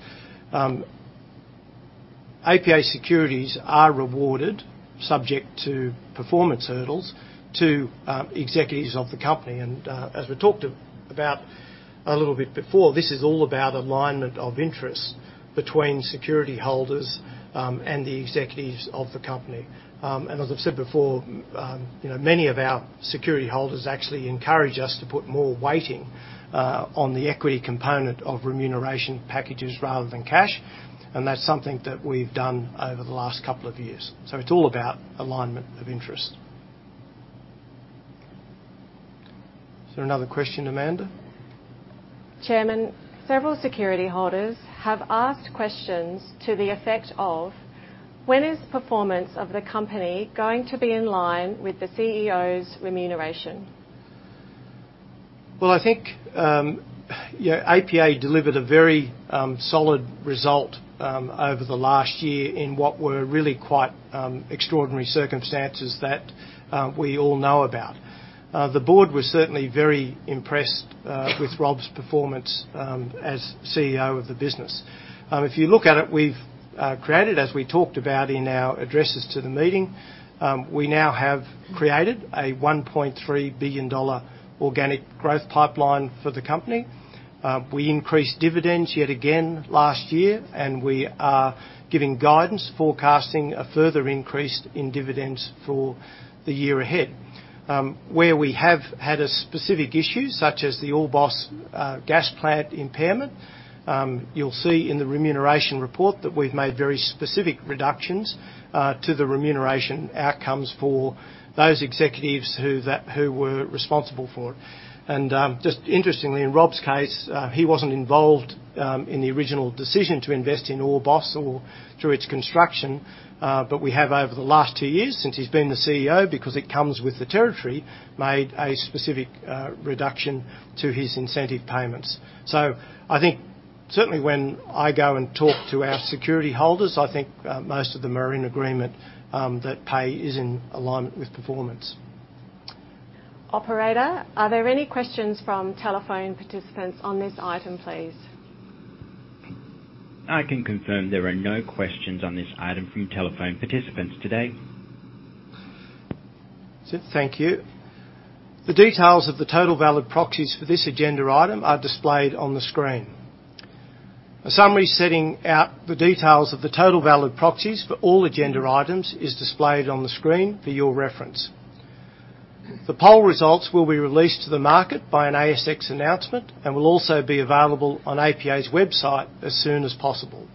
APA securities are rewarded, subject to performance hurdles, to executives of the company. As we talked about a little bit before, this is all about alignment of interest between Security holders and the executives of the company. As I've said before, many of our Security holders actually encourage us to put more weighting on the equity component of remuneration packages rather than cash, and that's something that we've done over the last couple of years. It's all about alignment of interest. Is there another question, Amanda? Chairman, several Security holders have asked questions to the effect of: "When is performance of the company going to be in line with the CEO's remuneration?". Well, I think APA delivered a very solid result over the last year in what were really quite extraordinary circumstances that we all know about. The board was certainly very impressed with Rob's performance as CEO of the business. If you look at it, we've created, as we talked about in our addresses to the meeting, we now have created a 1.3 billion dollar organic growth pipeline for the company. We increased dividends yet again last year, and we are giving guidance forecasting a further increase in dividends for the year ahead. Where we have had a specific issue, such as the Orbost Gas Plant impairment, you'll see in the remuneration report that we've made very specific reductions to the remuneration outcomes for those executives who were responsible for it. Just interestingly, in Rob's case, he wasn't involved in the original decision to invest in Orbost or through its construction, but we have over the last 2 years since he's been the CEO, because it comes with the territory, made a specific reduction to his incentive payments. I think certainly when I go and talk to our Security holders, I think most of them are in agreement that pay is in alignment with performance. Operator, are there any questions from telephone participants on this item, please? I can confirm there are no questions on this item from telephone participants today. That's it. Thank you. The details of the total valid proxies for this agenda item are displayed on the screen. A summary setting out the details of the total valid proxies for all agenda items is displayed on the screen for your reference. The poll results will be released to the market by an ASX announcement and will also be available on APA's website as soon as possible.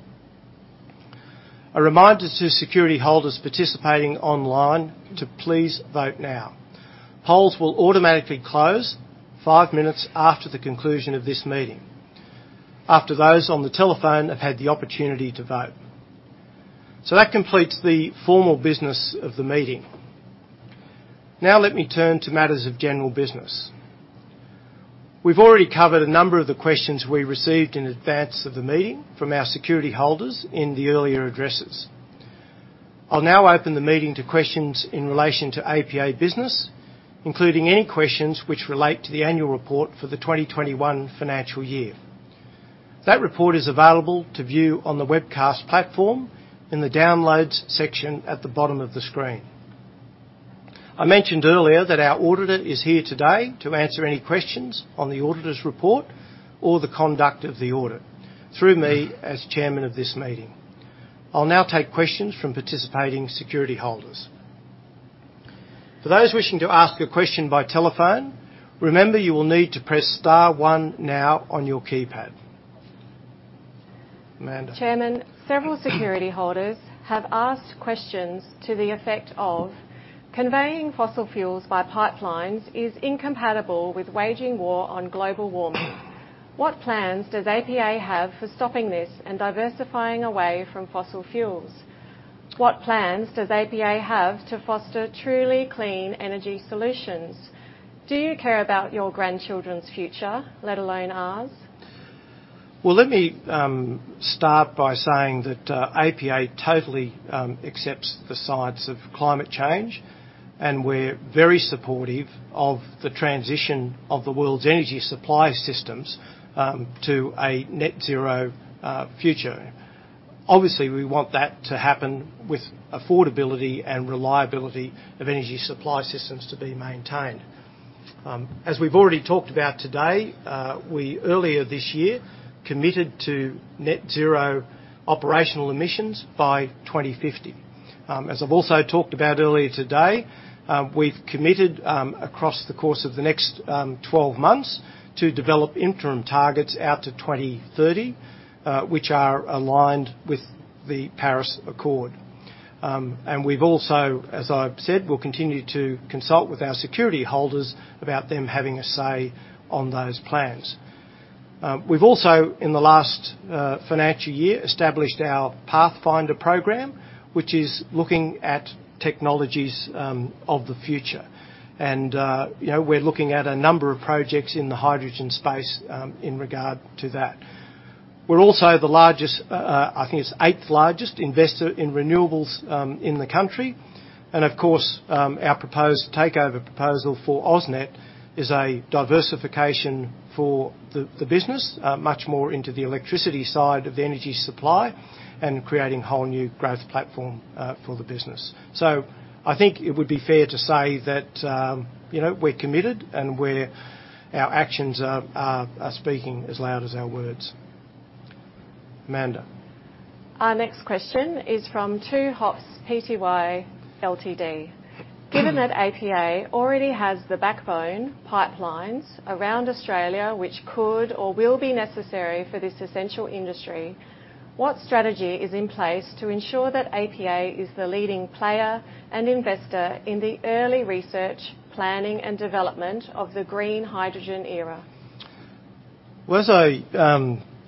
A reminder to Security holders participating online to please vote now. Polls will automatically close 5 minutes after the conclusion of this meeting, after those on the telephone have had the opportunity to vote. That completes the formal business of the meeting. Now let me turn to matters of general business. We've already covered a number of the questions we received in advance of the meeting from our Security holders in the earlier addresses. I'll now open the meeting to questions in relation to APA business, including any questions which relate to the annual report for the 2021 financial year. That report is available to view on the webcast platform in the Downloads section at the bottom of the screen. I mentioned earlier that our auditor is here today to answer any questions on the auditor's report or the conduct of the audit through me as chairman of this meeting. I'll now take questions from participating Security holders. For those wishing to ask a question by telephone, remember, you will need to press star one now on your keypad. Amanda. Chairman, several Security holders have asked questions to the effect of: Conveying fossil fuels by pipelines is incompatible with waging war on global warming. What plans does APA have for stopping this and diversifying away from fossil fuels? What plans does APA have to foster truly clean energy solutions? Do you care about your grandchildren's future, let alone ours? Well, let me start by saying that APA totally accepts the science of climate change, and we're very supportive of the transition of the world's energy supply systems to a net zero future. Obviously, we want that to happen with affordability and reliability of energy supply systems to be maintained. As we've already talked about today, we earlier this year committed to net zero operational emissions by 2050. As I've also talked about earlier today, we've committed across the course of the next 12 months to develop interim targets out to 2030, which are aligned with the Paris Agreement. We've also, as I've said, will continue to consult with our Security holders about them having a say on those plans. We've also, in the last financial year, established our Pathfinder program, which is looking at technologies of the future. We're looking at a number of projects in the hydrogen space in regard to that. We're also the largest, I think it's 8th largest, investor in renewables in the country. Of course, our proposed takeover proposal for AusNet is a diversification for the business, much more into the electricity side of the energy supply, and creating whole new growth platform for the business. I think it would be fair to say that we're committed, and our actions are speaking as loud as our words. Amanda. Our next question is from Two Haps Pty Ltd. Given that APA already has the backbone pipelines around Australia, which could or will be necessary for this essential industry, what strategy is in place to ensure that APA is the leading player and investor in the early research, planning, and development of the green hydrogen era? Well, as I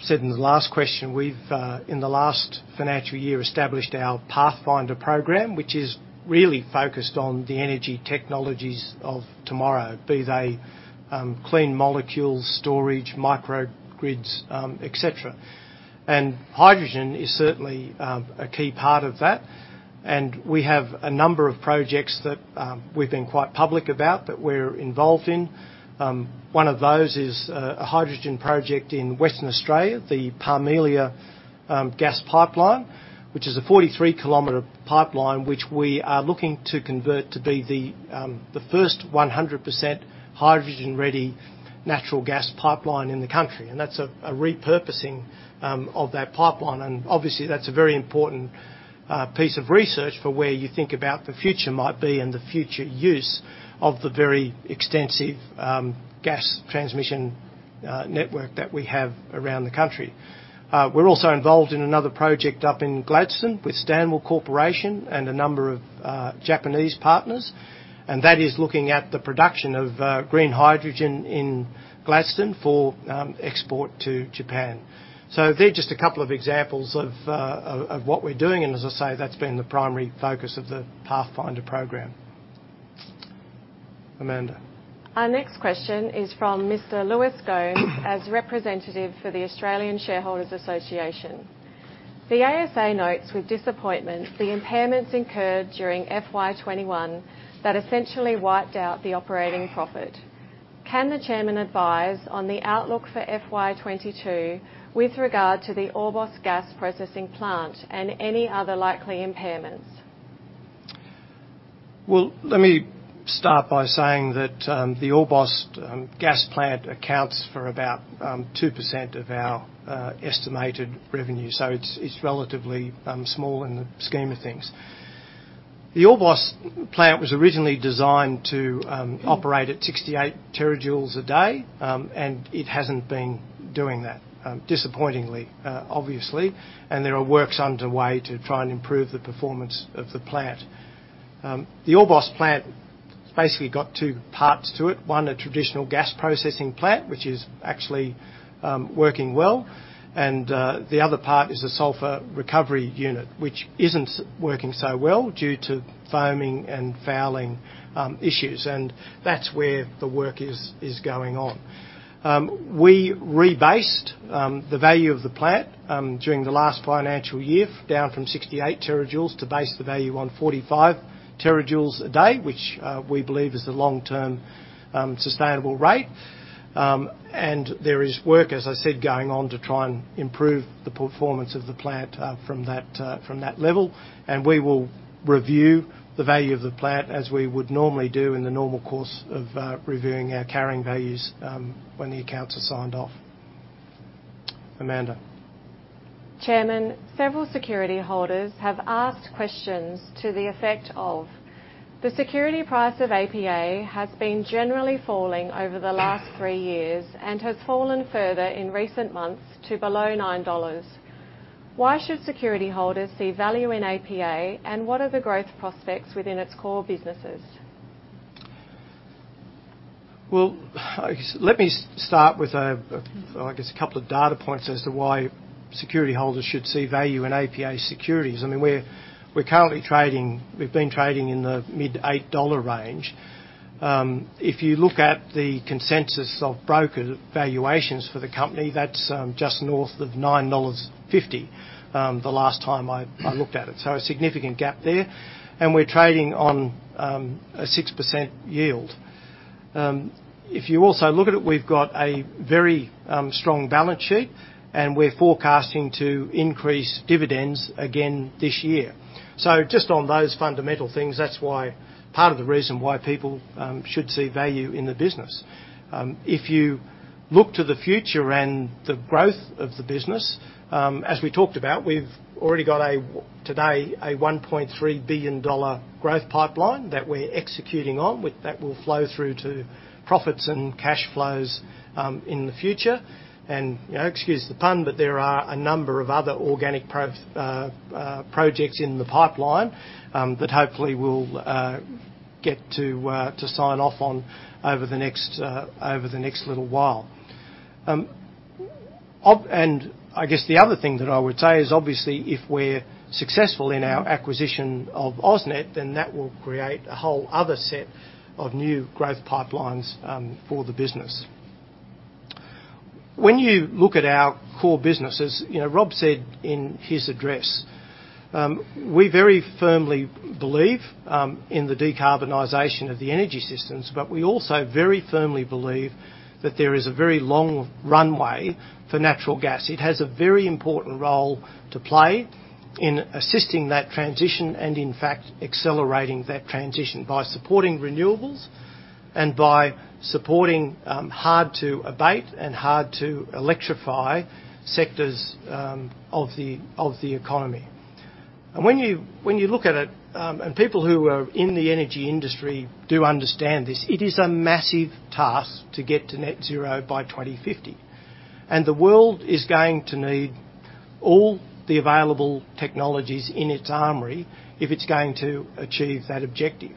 said in the last question, we've, in the last financial year, established our Pathfinder program, which is really focused on the energy technologies of tomorrow, be they clean molecules, storage, microgrids, et cetera. Hydrogen is certainly a key part of that, and we have a number of projects that we've been quite public about that we're involved in. One of those is a hydrogen project in Western Australia, the Parmelia Gas Pipeline, which is a 43-kilometer pipeline which we are looking to convert to be the first 100% hydrogen-ready natural gas pipeline in the country. That's a repurposing of that pipeline. Obviously that's a very important piece of research for where you think about the future might be and the future use of the very extensive gas transmission network that we have around the country. We're also involved in another project up in Gladstone with Stanwell Corporation and a number of Japanese partners, and that is looking at the production of green hydrogen in Gladstone for export to Japan. They're just a couple of examples of what we're doing. As I say, that's been the primary focus of the Pathfinder program. Amanda. Our next question is from Mr. Lewis Gomes as Representative for the Australian Shareholders' Association. The ASA notes with disappointment the impairments incurred during FY 2021 that essentially wiped out the operating profit. Can the chairman advise on the outlook for FY 2022 with regard to the Orbost Gas Processing Plant and any other likely impairments? Well, let me start by saying that the Orbost Gas Plant accounts for about 2% of our estimated revenue, so it's relatively small in the scheme of things. The Orbost Plant was originally designed to operate at 68 terajoules a day, and it hasn't been doing that, disappointingly, obviously, and there are works underway to try and improve the performance of the plant. The Orbost Plant has basically got two parts to it. One, a traditional gas processing plant, which is actually working well. The other part is a sulfur recovery unit, which isn't working so well due to foaming and fouling issues. That's where the work is going on. We rebased the value of the plant during the last financial year, down from 68 terajoules to base the value on 45 terajoules a day, which we believe is the long-term sustainable rate. There is work, as I said, going on to try and improve the performance of the plant from that level, and we will review the value of the plant as we would normally do in the normal course of reviewing our carrying values when the accounts are signed off. Amanda. Chairman, several Security holders have asked questions to the effect of, the security price of APA has been generally falling over the last 3 years and has fallen further in recent months to below 9 dollars. Why should Security holders see value in APA? What are the growth prospects within its core businesses? Let me start with a couple of data points as to why Security holders should see value in APA securities. We're currently trading, we've been trading in the mid 8 range. If you look at the consensus of broker valuations for the company, that's just north of 9.50 dollars the last time I looked at it. A significant gap there. We're trading on a 6% yield. If you also look at it, we've got a very strong balance sheet, and we're forecasting to increase dividends again this year. Just on those fundamental things, that's part of the reason why people should see value in the business. If you look to the future and the growth of the business, as we talked about, we've already got, today, a 1.3 billion dollar growth pipeline that we're executing on, that will flow through to profits and cash flows in the future. Excuse the pun, but there are a number of other organic projects in the pipeline that hopefully we'll get to sign off on over the next little while. I guess the other thing that I would say is obviously, if we're successful in our acquisition of AusNet, then that will create a whole other set of new growth pipelines for the business. When you look at our core businesses, Rob said in his address, we very firmly believe in the decarbonization of the energy systems, but we also very firmly believe that there is a very long runway for natural gas. It has a very important role to play in assisting that transition and, in fact, accelerating that transition by supporting renewables and by supporting hard-to-abate and hard-to-electrify sectors of the economy. When you look at it, and people who are in the energy industry do understand this, it is a massive task to get to net zero by 2050. The world is going to need all the available technologies in its armory if it's going to achieve that objective.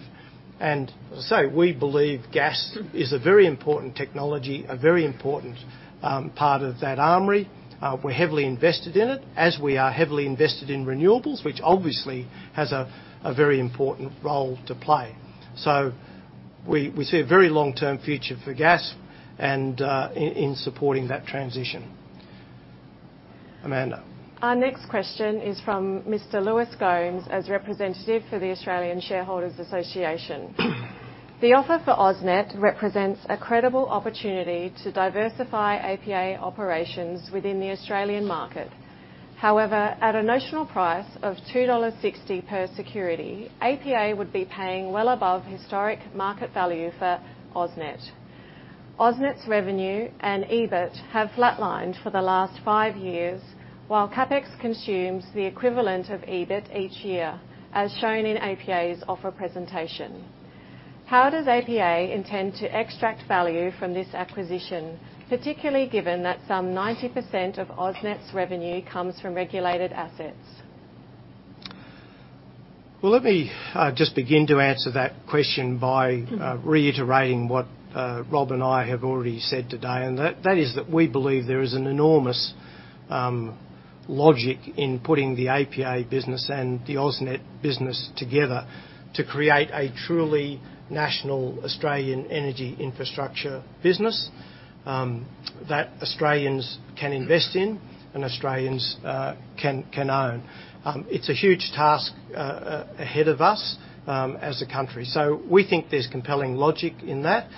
As I say, we believe gas is a very important technology, a very important part of that armory. We're heavily invested in it, as we are heavily invested in renewables, which obviously has a very important role to play. We see a very long-term future for gas and in supporting that transition. Amanda? Our next question is from Mr. Lewis Gomes, as Representative for the Australian Shareholders' Association. "The offer for AusNet represents a credible opportunity to diversify APA operations within the Australian market. However, at a notional price of 2.60 dollars per security, APA would be paying well above historic market value for AusNet. AusNet's revenue and EBIT have flatlined for the last five years, while CapEx consumes the equivalent of EBIT each year, as shown in APA's offer presentation. How does APA intend to extract value from this acquisition, particularly given that some 90% of AusNet's revenue comes from regulated assets? Well, let me just begin to answer that question by reiterating what Rob and I have already said today. That is that we believe there is an enormous logic in putting the APA business and the AusNet business together to create a truly national Australian energy infrastructure business that Australians can invest in and Australians can own. It's a huge task ahead of us as a country. We think there's compelling logic in that.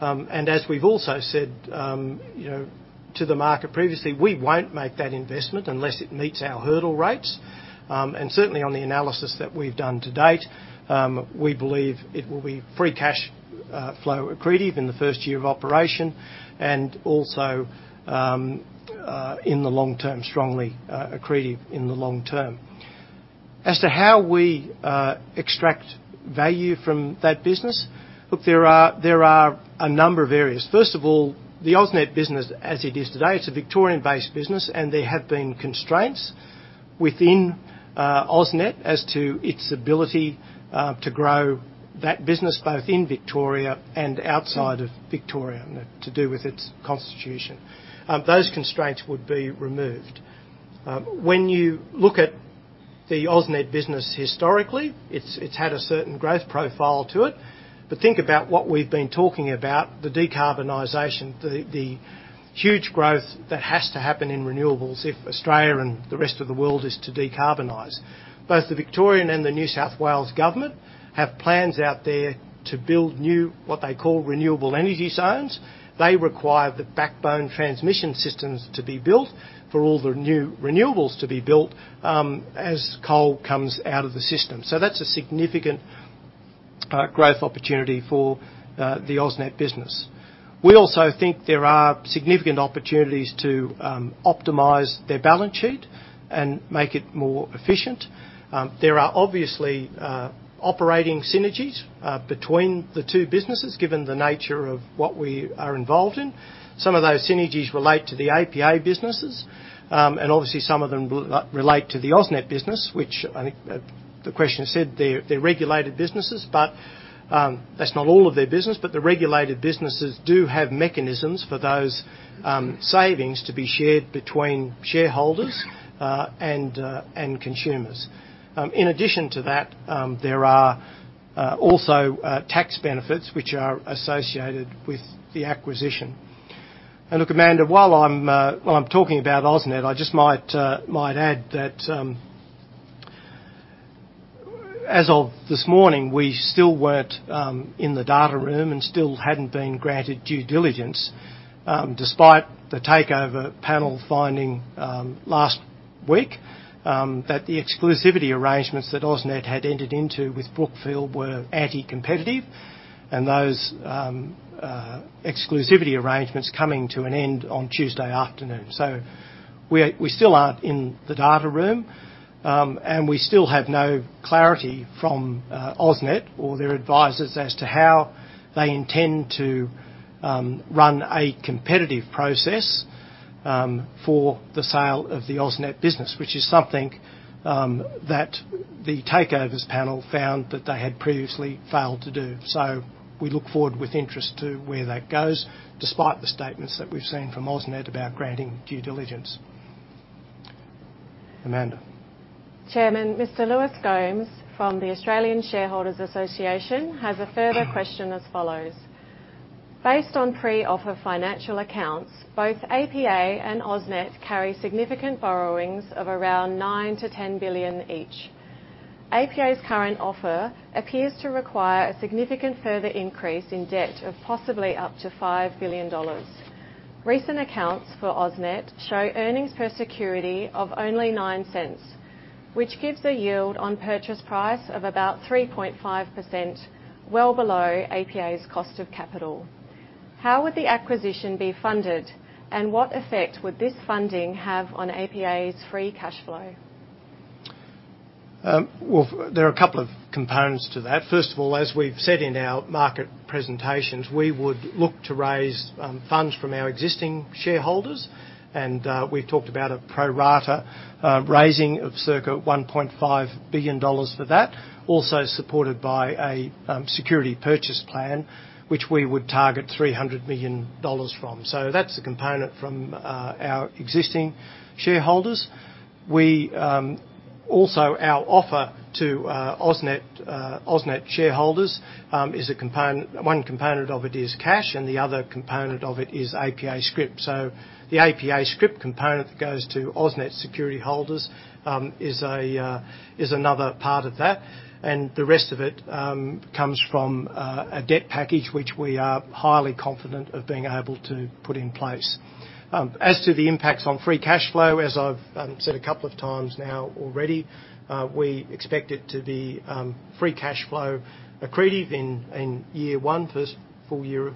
As we've also said to the market previously, we won't make that investment unless it meets our hurdle rates. Certainly on the analysis that we've done to-date, we believe it will be free cash flow accretive in the first year of operation, and also strongly accretive in the long term. As to how we extract value from that business, look, there are a number of areas. First of all, the AusNet business, as it is today, it's a Victorian-based business, and there have been constraints within AusNet as to its ability to grow that business, both in Victoria and outside of Victoria, to do with its constitution. Those constraints would be removed. When you look at the AusNet business historically, it's had a certain growth profile to it. Think about what we've been talking about, the decarbonization, the huge growth that has to happen in renewables if Australia and the rest of the world is to decarbonize. Both the Victorian and the New South Wales government have plans out there to build new, what they call renewable energy zones. They require the backbone transmission systems to be built for all the new renewables to be built as coal comes out of the system. That's a significant growth opportunity for the AusNet business. We also think there are significant opportunities to optimize their balance sheet and make it more efficient. There are obviously operating synergies between the two businesses, given the nature of what we are involved in. Some of those synergies relate to the APA businesses, and obviously some of them relate to the AusNet business, which I think the question said they're regulated businesses, but that's not all of their business. The regulated businesses do have mechanisms for those savings to be shared between shareholders and consumers. In addition to that, there are also tax benefits which are associated with the acquisition. Look, Amanda, while I'm talking about AusNet, I just might add that as of this morning, we still weren't in the data room and still hadn't been granted due diligence, despite the Takeovers Panel finding last week that the exclusivity arrangements that AusNet had entered into with Brookfield were anti-competitive, and those exclusivity arrangements coming to an end on Tuesday afternoon. We still aren't in the data room, and we still have no clarity from AusNet or their advisors as to how they intend to run a competitive process for the sale of the AusNet business, which is something that the Takeovers Panel found that they had previously failed to do. We look forward with interest to where that goes, despite the statements that we've seen from AusNet about granting due diligence. Amanda. Chairman, Mr. Lewis Gomes from the Australian Shareholders' Association has a further question as follows. Based on pre-offer financial accounts, both APA and AusNet carry significant borrowings of around 9 billion-10 billion each. APA's current offer appears to require a significant further increase in debt of possibly up to 5 billion dollars. Recent accounts for AusNet show earnings per security of only 0.09, which gives a yield on purchase price of about 3.5%, well below APA's cost of capital. How would the acquisition be funded, and what effect would this funding have on APA's free cash flow? Well, there are a couple of components to that. First of all, as we've said in our market presentations, we would look to raise funds from our existing shareholders, and we've talked about a pro rata raising of circa 1.5 billion dollars for that, also supported by a security purchase plan, which we would target 300 million dollars from. That's a component from our existing shareholders. Also, our offer to AusNet shareholders, one component of it is cash, and the other component of it is APA scrip. The APA scrip component that goes to AusNet Security holders is another part of that, and the rest of it comes from a debt package which we are highly confident of being able to put in place. As to the impacts on free cash flow, as I've said a couple of times now already, we expect it to be free cash flow accretive in year one, first full year of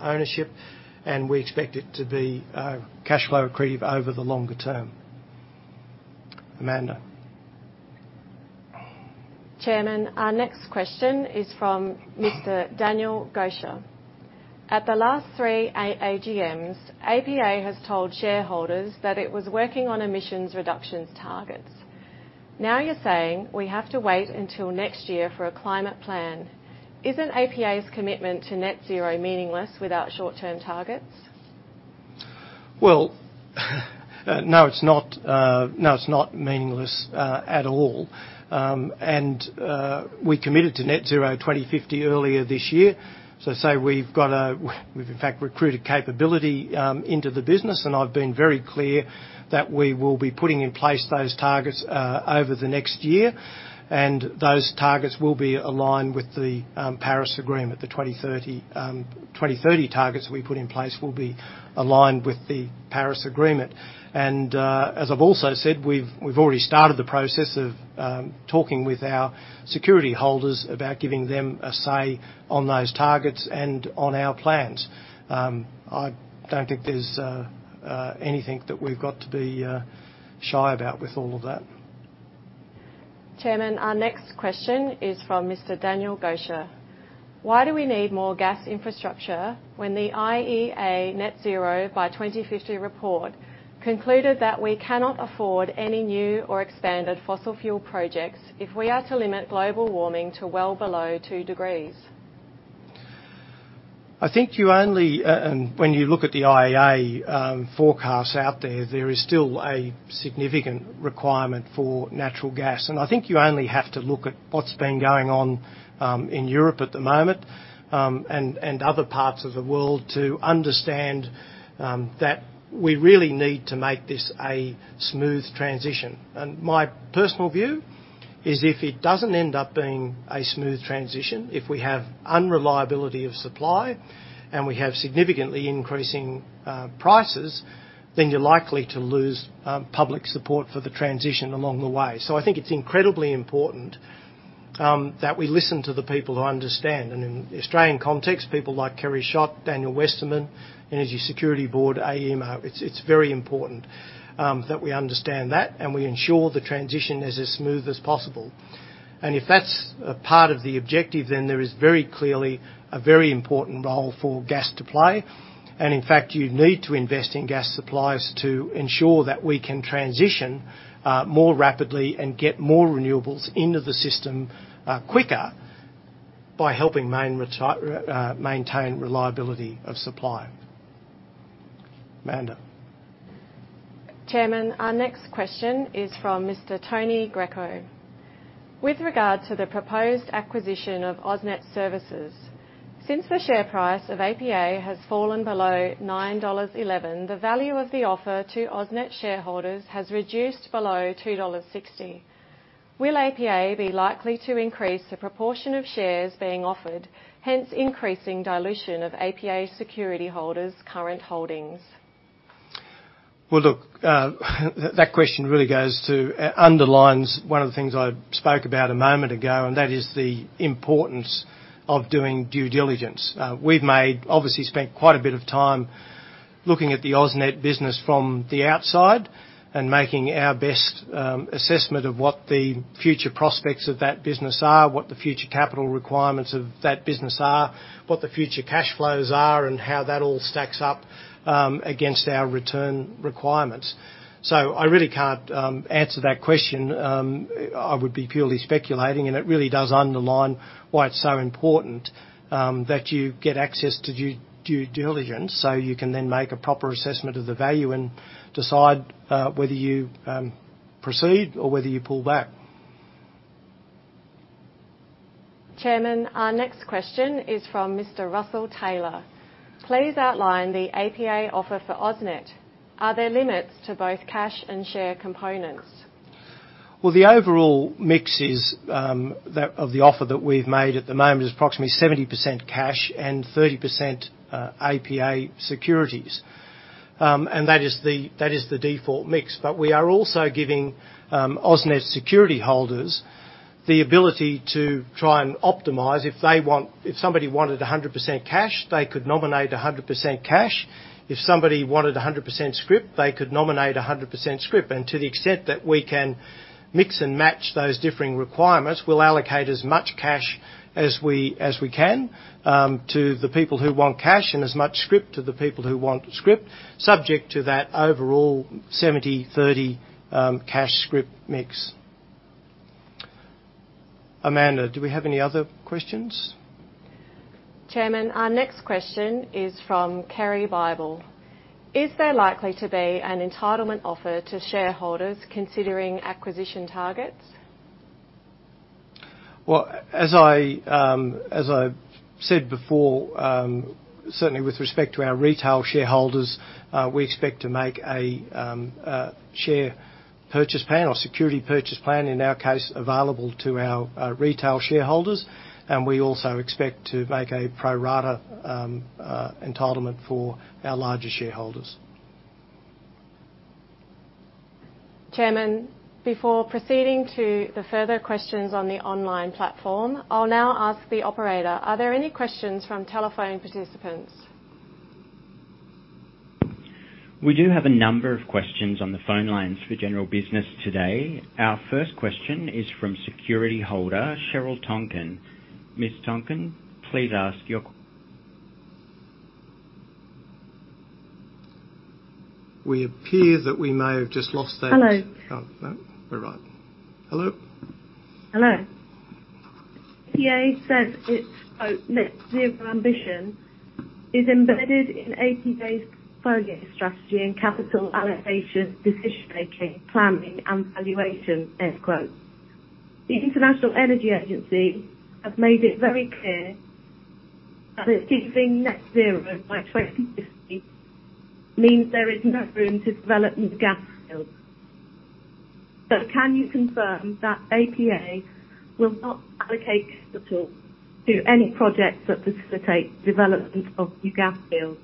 ownership. We expect it to be cash flow accretive over the longer term. Amanda. Chairman, our next question is from Mr. Daniel Gosha. At the last three AGMs, APA has told shareholders that it was working on emissions reductions targets. You're saying we have to wait until next year for a climate plan. Isn't APA's commitment to net zero meaningless without short-term targets? Well, no, it's not meaningless at all. We committed to net zero 2050 earlier this year. We've in fact recruited capability into the business, and I've been very clear that we will be putting in place those targets over the next year, and those targets will be aligned with the Paris Agreement. The 2030 targets we put in place will be aligned with the Paris Agreement. As I've also said, we've already started the process of talking with our Security holders about giving them a say on those targets and on our plans. I don't think there's anything that we've got to be shy about with all of that. Chairman, our next question is from Mr. Daniel Gosha. Why do we need more gas infrastructure when the IEA net zero by 2050 report concluded that we cannot afford any new or expanded fossil fuel projects if we are to limit global warming to well below two degrees? I think you only, when you look at the IEA forecasts out there is still a significant requirement for natural gas. I think you only have to look at what's been going on in Europe at the moment, and other parts of the world, to understand that we really need to make this a smooth transition. My personal view is if it doesn't end up being a smooth transition, if we have unreliability of supply and we have significantly increasing prices, then you're likely to lose public support for the transition along the way. I think it's incredibly important that we listen to the people who understand. In the Australian context, people like Kerry Schott, Daniel Westerman, Energy Security Board, AEMO. It's very important that we understand that and we ensure the transition is as smooth as possible. If that's a part of the objective, then there is very clearly a very important role for gas to play. In fact, you need to invest in gas supplies to ensure that we can transition more rapidly and get more renewables into the system quicker by helping maintain reliability of supply. Amanda. Chairman, our next question is from Mr. Tony Greco. With regard to the proposed acquisition of AusNet Services. Since the share price of APA has fallen below 9.11 dollars, the value of the offer to AusNet shareholders has reduced below 2.60 dollars. Will APA be likely to increase the proportion of shares being offered, hence increasing dilution of APA Security holders' current holdings? Well, look, that question really underlines one of the things I spoke about a moment ago, and that is the importance of doing due diligence. We’ve obviously spent quite a bit of time looking at the AusNet business from the outside and making our best assessment of what the future prospects of that business are, what the future capital requirements of that business are, what the future cash flows are, and how that all stacks up against our return requirements. I really can’t answer that question. I would be purely speculating, and it really does underline why it’s so important that you get access to due diligence so you can then make a proper assessment of the value and decide whether you proceed or whether you pull back. Chairman, our next question is from Mr. Russell Taylor: Please outline the APA offer for AusNet. Are there limits to both cash and share components? Well, the overall mix of the offer that we've made at the moment is approximately 70% cash and 30% APA securities. That is the default mix. We are also giving AusNet Security holders the ability to try and optimize. If somebody wanted 100% cash, they could nominate 100% cash. If somebody wanted 100% scrip, they could nominate 100% scrip. To the extent that we can mix and match those differing requirements, we'll allocate as much cash as we can to the people who want cash and as much scrip to the people who want scrip, subject to that overall 70/30 cash-scrip mix. Amanda, do we have any other questions? Chairman, our next question is from Kerry Bible: Is there likely to be an entitlement offer to shareholders considering acquisition targets? Well, as I've said before, certainly with respect to our retail shareholders, we expect to make a share purchase plan or security purchase plan, in our case, available to our retail shareholders, and we also expect to make a pro rata entitlement for our larger shareholders. Chairman, before proceeding to the further questions on the online platform, I'll now ask the operator, are there any questions from telephone participants? We do have a number of questions on the phone lines for general business today. Our first question is from security holder, Cheryl Tonkin. Ms. Tonkin, please ask your- We appear that we may have just lost that. Hello. Oh, no, we're right. Hello? Hello. APA says its, quote, "Net zero ambition is embedded in APA's five-year strategy and capital allocation decision-making, planning, and valuation," end quote. The International Energy Agency have made it very clear that achieving net zero by 2050 means there is no room to develop new gas fields. Can you confirm that APA will not allocate capital to any projects that facilitate development of new gas fields?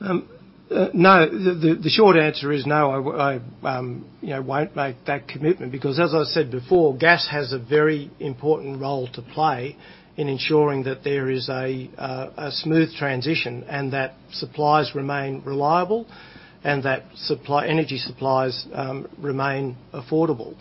No. The short answer is no. I won't make that commitment because, as I said before, gas has a very important role to play in ensuring that there is a smooth transition, and that supplies remain reliable, and that energy supplies remain affordable.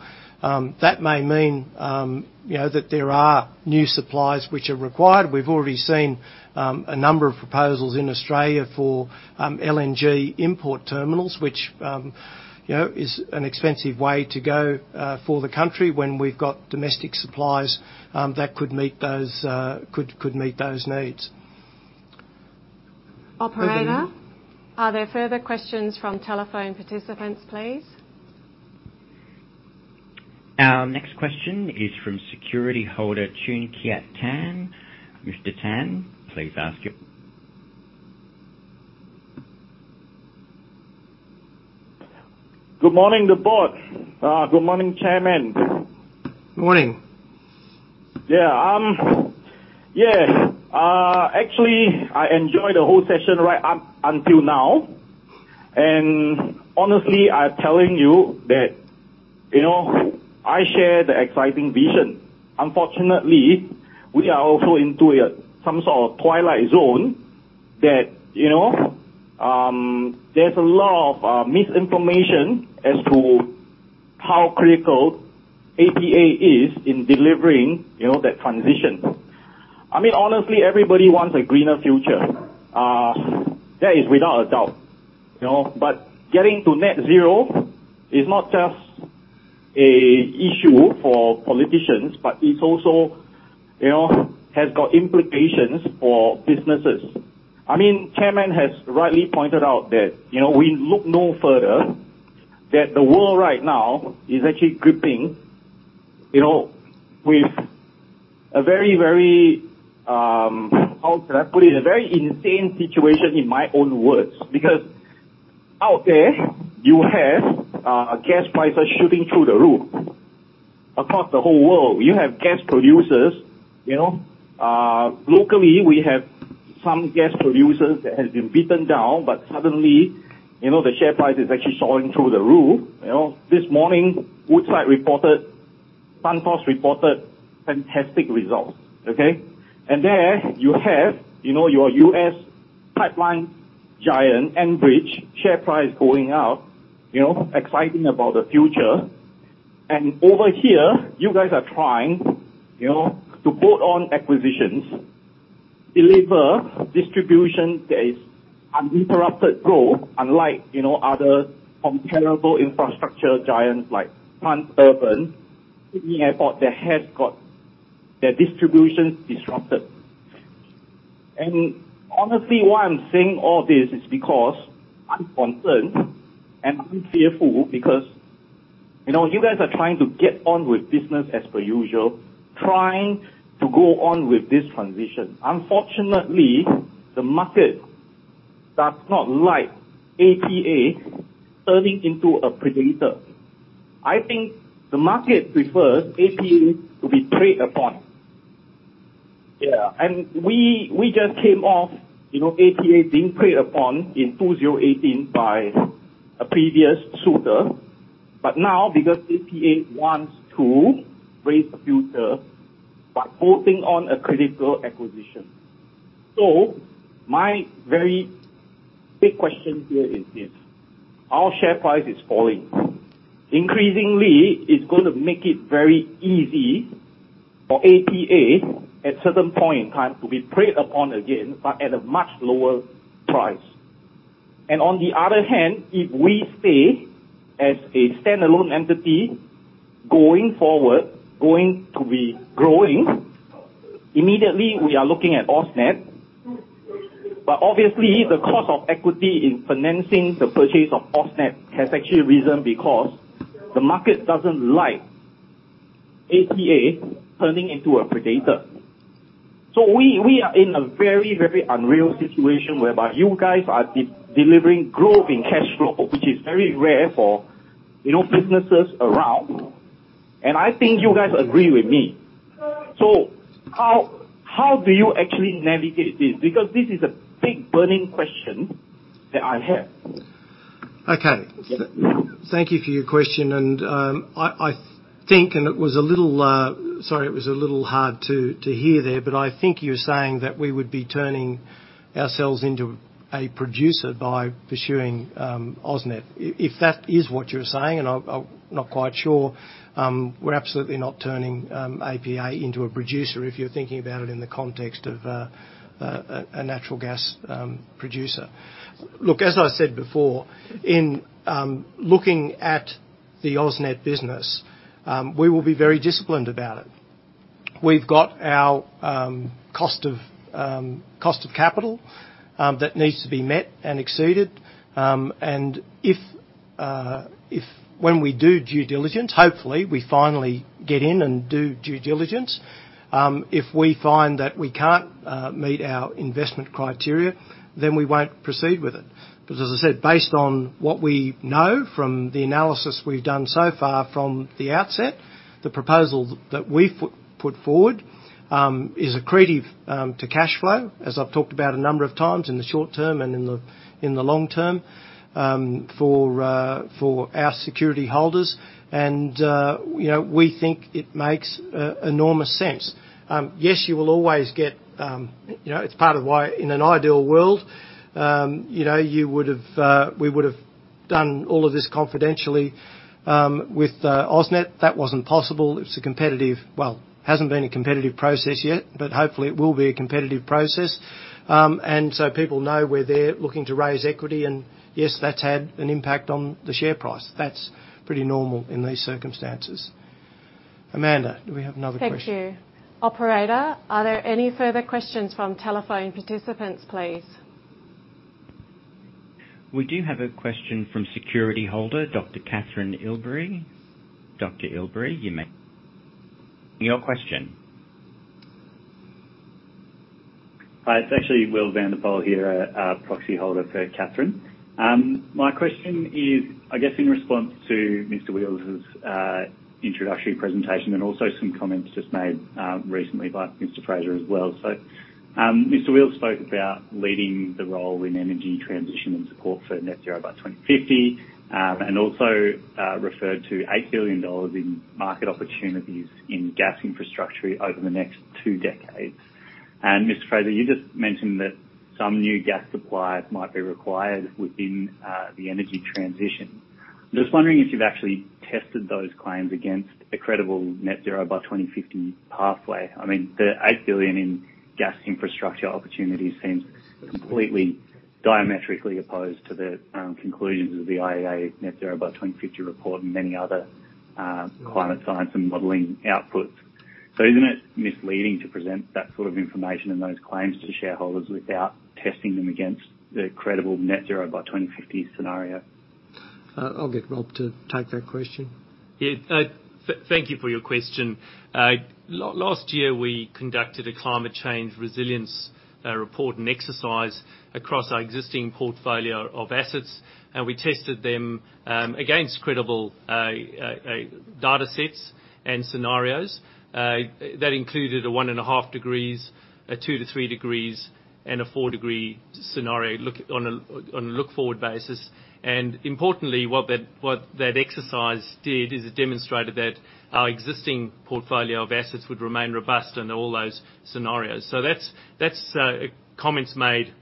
That may mean that there are new supplies which are required. We've already seen a number of proposals in Australia for LNG import terminals, which is an expensive way to go for the country when we've got domestic supplies that could meet those needs. Operator, are there further questions from telephone participants, please? Our next question is from security holder, Choon Kiat Tan. Mr. Tan, please ask. Good morning, the Board. Good morning, Chairman. Morning. Yeah. Actually, I enjoyed the whole session right up until now. Honestly, I'm telling you that I share the exciting vision. Unfortunately, we are also into some sort of twilight zone that there's a lot of misinformation as to how critical APA is in delivering that transition. Honestly, everybody wants a greener future. That is without a doubt. Getting to net zero is not just a issue for politicians, but it also has got implications for businesses. Chairman has rightly pointed out that we look no further. That the world right now is actually gripping with a very, how can I put it? A very insane situation, in my own words. Out there you have gas prices shooting through the roof across the whole world. You have gas producers. Locally, we have some gas producers that have been beaten down, but suddenly, the share price is actually soaring through the roof. This morning, Woodside reported, Santos reported fantastic results. Okay? There you have your U.S. pipeline giant, Enbridge, share price going up, exciting about the future. Over here, you guys are trying to put on acquisitions, deliver distribution that is uninterrupted growth, unlike other comparable infrastructure giants like Transurban, Changi Airport, that have got their distributions disrupted. Honestly, why I'm saying all this is because I'm concerned and I'm fearful because you guys are trying to get on with business as per usual, trying to go on with this transition. Unfortunately, the market does not like APA turning into a predator. I think the market prefers APA to be preyed upon. Yeah. We just came off APA being preyed upon in 2018 by a previous suitor. Now, because APA wants to raise the future by putting on a critical acquisition. My very big question here is this, our share price is falling. Increasingly, it's going to make it very easy for APA, at a certain point in time, to be preyed upon again, but at a much lower price. On the other hand, if we stay as a standalone entity going forward, going to be growing, immediately, we are looking at AusNet. Obviously, the cost of equity in financing the purchase of AusNet has actually risen because the market doesn't like APA turning into a predator. We are in a very unreal situation whereby you guys are delivering growth in cash flow, which is very rare for businesses around, and I think you guys agree with me. How do you actually navigate this? Because this is a big burning question that I have. Okay. Thank you for your question. Sorry, it was a little hard to hear there. I think you were saying that we would be turning ourselves into a producer by pursuing AusNet. If that is what you're saying, and I'm not quite sure, we're absolutely not turning APA into a producer, if you're thinking about it in the context of a natural gas producer. Look, as I said before, in looking at the AusNet business, we will be very disciplined about it. We've got our cost of capital that needs to be met and exceeded. When we do due diligence, hopefully, we finally get in and do due diligence. If we find that we can't meet our investment criteria, we won't proceed with it. As I said, based on what we know from the analysis we've done so far from the outset, the proposal that we've put forward is accretive to cash flow, as I've talked about a number of times in the short term and in the long term, for our Security holders. We think it makes enormous sense. Yes, it's part of why in an ideal world, we would have done all of this confidentially with AusNet. That wasn't possible. It hasn't been a competitive process yet, but hopefully it will be a competitive process. So people know we're there looking to raise equity and yes, that's had an impact on the share price. That's pretty normal in these circumstances. Amanda, do we have another question? Thank you. Operator, are there any further questions from telephone participants, please? We do have a question from security holder, Dr. Catherine Ilbery. Dr. Ilbery, you may begin your question. Hi, it's actually Will van de Pol here, a Proxy holder for Catherine. My question is, I guess in response to Mr. Wheals' introductory presentation and also some comments just made recently by Mr. Fraser as well. Mr. Wheals spoke about leading the role in energy transition and support for net zero by 2050, also referred to 8 billion dollars in market opportunities in gas infrastructure over the next 2 decades. Mr. Fraser, you just mentioned that some new gas supply might be required within the energy transition. I'm just wondering if you've actually tested those claims against a credible net zero by 2050 pathway. I mean, the 8 billion in gas infrastructure opportunities seems completely diametrically opposed to the conclusions of the IEA net zero by 2050 report and many other climate science and modeling outputs. Isn't it misleading to present that sort of information and those claims to shareholders without testing them against the credible net zero by 2050 scenario? I'll get Rob to take that question. Thank you for your question. Last year, we conducted a climate change resilience report and exercise across our existing portfolio of assets, and we tested them against credible data sets and scenarios. That included a 1.5 degrees, a 2-3 degrees, and a 4-degree scenario on a look-forward basis. Importantly, what that exercise did is it demonstrated that our existing portfolio of assets would remain robust in all those scenarios. That's comments made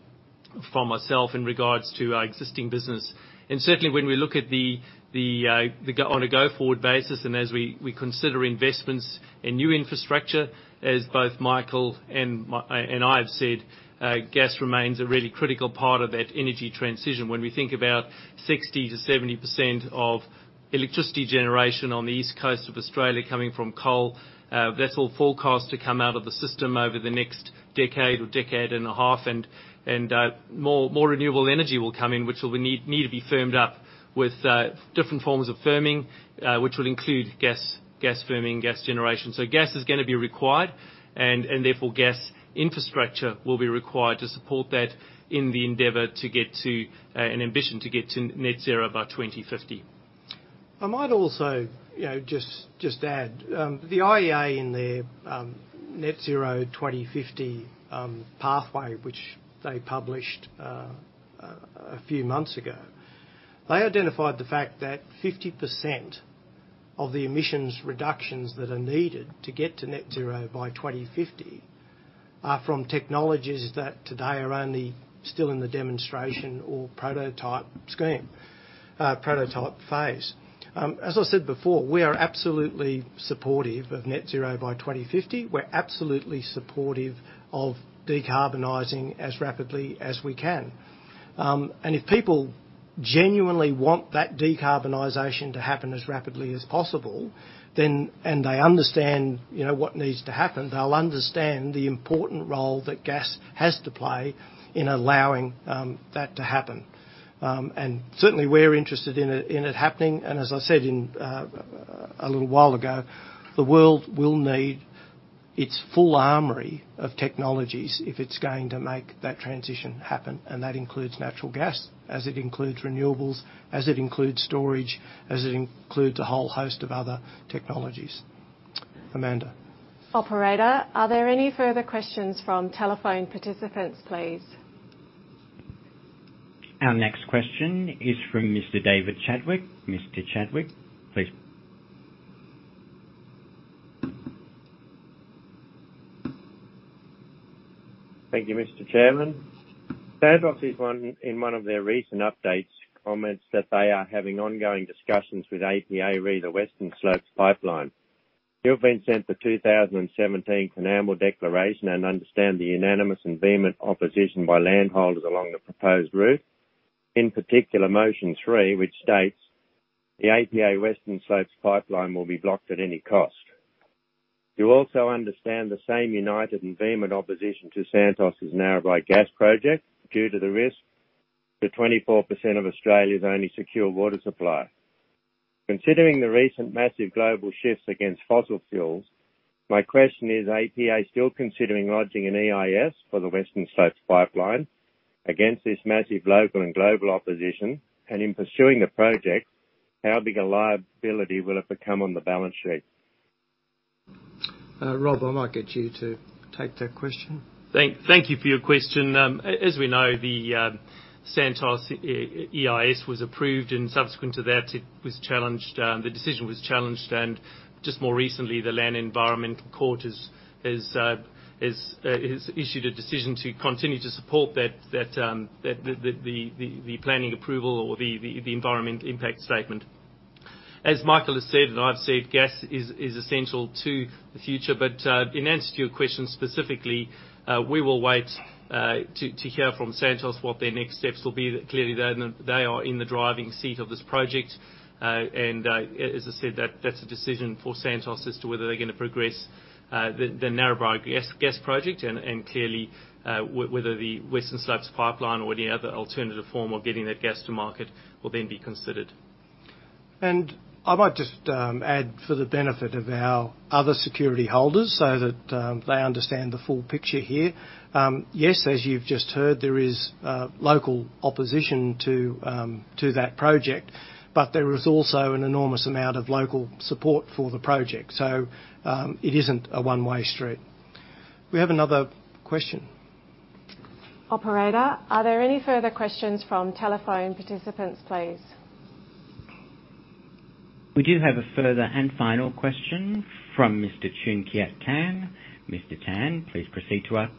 from myself in regards to our existing business. Certainly, when we look on a go-forward basis, and as we consider investments in new infrastructure, as both Michael and I have said, gas remains a really critical part of that energy transition. When we think about 60%-70% of electricity generation on the east coast of Australia coming from coal, that's all forecast to come out of the system over the next decade or decade and a half. More renewable energy will come in, which will need to be firmed up with different forms of firming, which will include gas firming, gas generation. Gas is going to be required, and therefore gas infrastructure will be required to support that in the endeavor to get to an ambition to get to net zero by 2050. I might also just add, the IEA in their net zero 2050 pathway, which they published a few months ago, they identified the fact that 50% of the emissions reductions that are needed to get to net zero by 2050 are from technologies that today are only still in the demonstration or prototype phase. As I said before, we are absolutely supportive of net zero by 2050. We're absolutely supportive of decarbonizing as rapidly as we can. If people genuinely want that decarbonization to happen as rapidly as possible, and they understand what needs to happen, they'll understand the important role that gas has to play in allowing that to happen. Certainly, we're interested in it happening. As I said a little while ago, the world will need its full armory of technologies if it's going to make that transition happen. That includes natural gas, as it includes renewables, as it includes storage, as it includes a whole host of other technologies. Amanda. Operator, are there any further questions from telephone participants, please? Our next question is from Mr. David Chadwick. Mr. Chadwick, please. Thank you, Mr. Chairman. Santos, in one of their recent updates, comments that they are having ongoing discussions with APA re: the Western Slopes Pipeline. You've been sent the 2017 Coonamble Declaration and understand the unanimous and vehement opposition by land holders along the proposed route, in particular Motion Three, which states, "The APA Western Slopes Pipeline will be blocked at any cost." You also understand the same united and vehement opposition to Santos' Narrabri Gas Project due to the risk to 24% of Australia's only secure water supply. Considering the recent massive global shifts against fossil fuels, my question is, APA still considering lodging an EIS for the Western Slopes Pipeline against this massive local and global opposition? In pursuing the project, how big a liability will it become on the balance sheet? Rob, I might get you to take that question. Thank you for your question. As we know, the Santos EIS was approved, and subsequent to that, the decision was challenged. Just more recently, the Land and Environment Court has issued a decision to continue to support the planning approval or the environment impact statement. As Michael has said, and I've said, gas is essential to the future. In answer to your question specifically, we will wait to hear from Santos what their next steps will be. Clearly, they are in the driving seat of this project. As I said, that's a decision for Santos as to whether they're going to progress the Narrabri Gas Project, and clearly, whether the Western Slopes Pipeline or any other alternative form of getting that gas to market will then be considered. I might just add for the benefit of our other Security holders so that they understand the full picture here. Yes, as you've just heard, there is local opposition to that project, but there is also an enormous amount of local support for the project. It isn't a one-way street. We have another question. Operator, are there any further questions from telephone participants, please? We do have a further and final question from Mr. Choon Kiat Tan. Mr. Tan, please proceed to ask.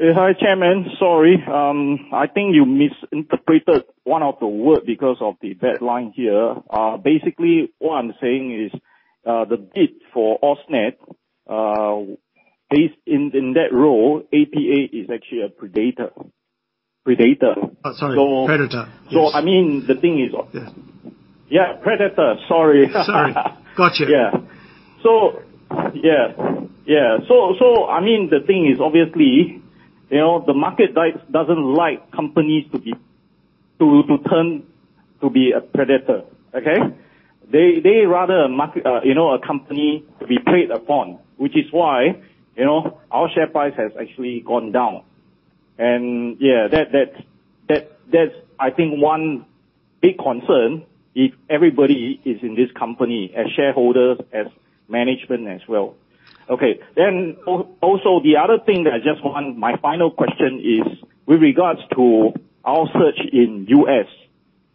Hi, Chairman. Sorry. I think you misinterpreted one of the word because of the bad line here. Basically, what I'm saying is, the bid for AusNet, based in that role, APA is actually a predator. Oh, sorry. Predator. Yes. So, the thing is- Yeah yeah, predator, sorry. Sorry. Got you. Yeah. The thing is, obviously, the market doesn't like companies to turn to be a predator. Okay. They rather a company to be preyed upon, which is why our share price has actually gone down. Yeah, that's I think one big concern if everybody is in this company, as shareholders, as management as well. Okay. Also the other thing that I just want, my final question is with regards to our search in U.S.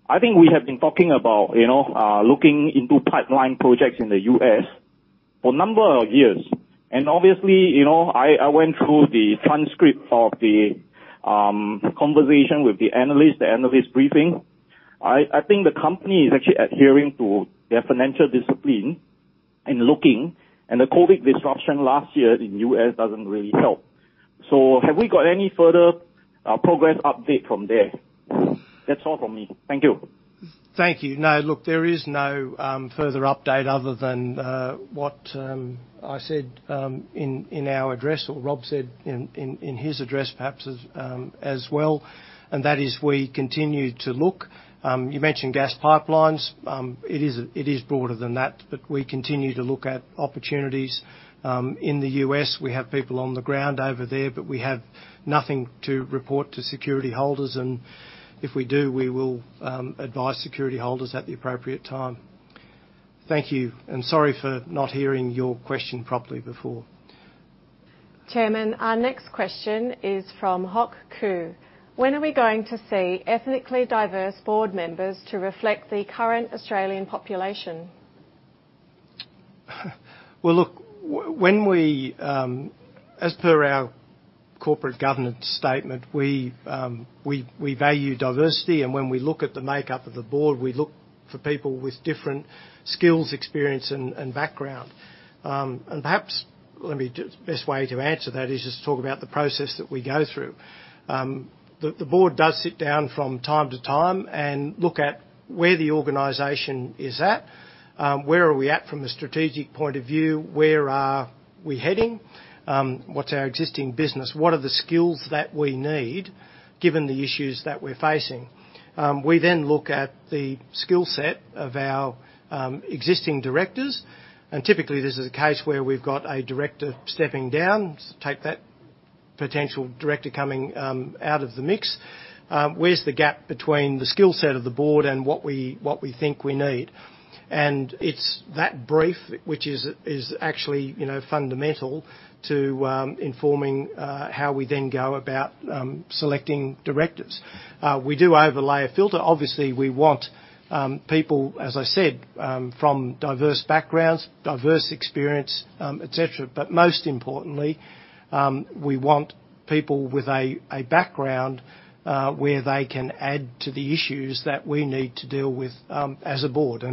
I think we have been talking about looking into pipeline projects in the U.S. for a number of years. Obviously, I went through the transcript of the conversation with the analyst, the analyst briefing. I think the company is actually adhering to their financial discipline in looking, and the COVID disruption last year in U.S. doesn't really help. Have we got any further progress update from there? That's all from me. Thank you. Thank you. No, look, there is no further update other than what I said in our address or Rob said in his address perhaps as well. That is we continue to look. You mentioned gas pipelines. It is broader than that. We continue to look at opportunities, in the U.S. We have people on the ground over there. We have nothing to report to Security holders. If we do, we will advise Security holders at the appropriate time. Thank you. Sorry for not hearing your question properly before. Chairman, our next question is from Hok Koo. "When are we going to see ethnically diverse board members to reflect the current Australian population? Well, look, as per our corporate governance statement, we value diversity, and when we look at the makeup of the board, we look for people with different skills, experience, and background. Perhaps, the best way to answer that is just talk about the process that we go through. The board does sit down from time to time and look at where the organization is at, where are we at from a strategic point of view, where are we heading, what's our existing business, what are the skills that we need given the issues that we're facing. We then look at the skill set of our existing directors, and typically, this is a case where we've got a director stepping down, so take that potential director coming out of the mix. Where's the gap between the skill set of the board and what we think we need? It's that brief, which is actually fundamental to informing how we then go about selecting directors. We do overlay a filter. Obviously, we want people, as I said, from diverse backgrounds, diverse experience, et cetera. Most importantly, we want people with a background, where they can add to the issues that we need to deal with, as a board.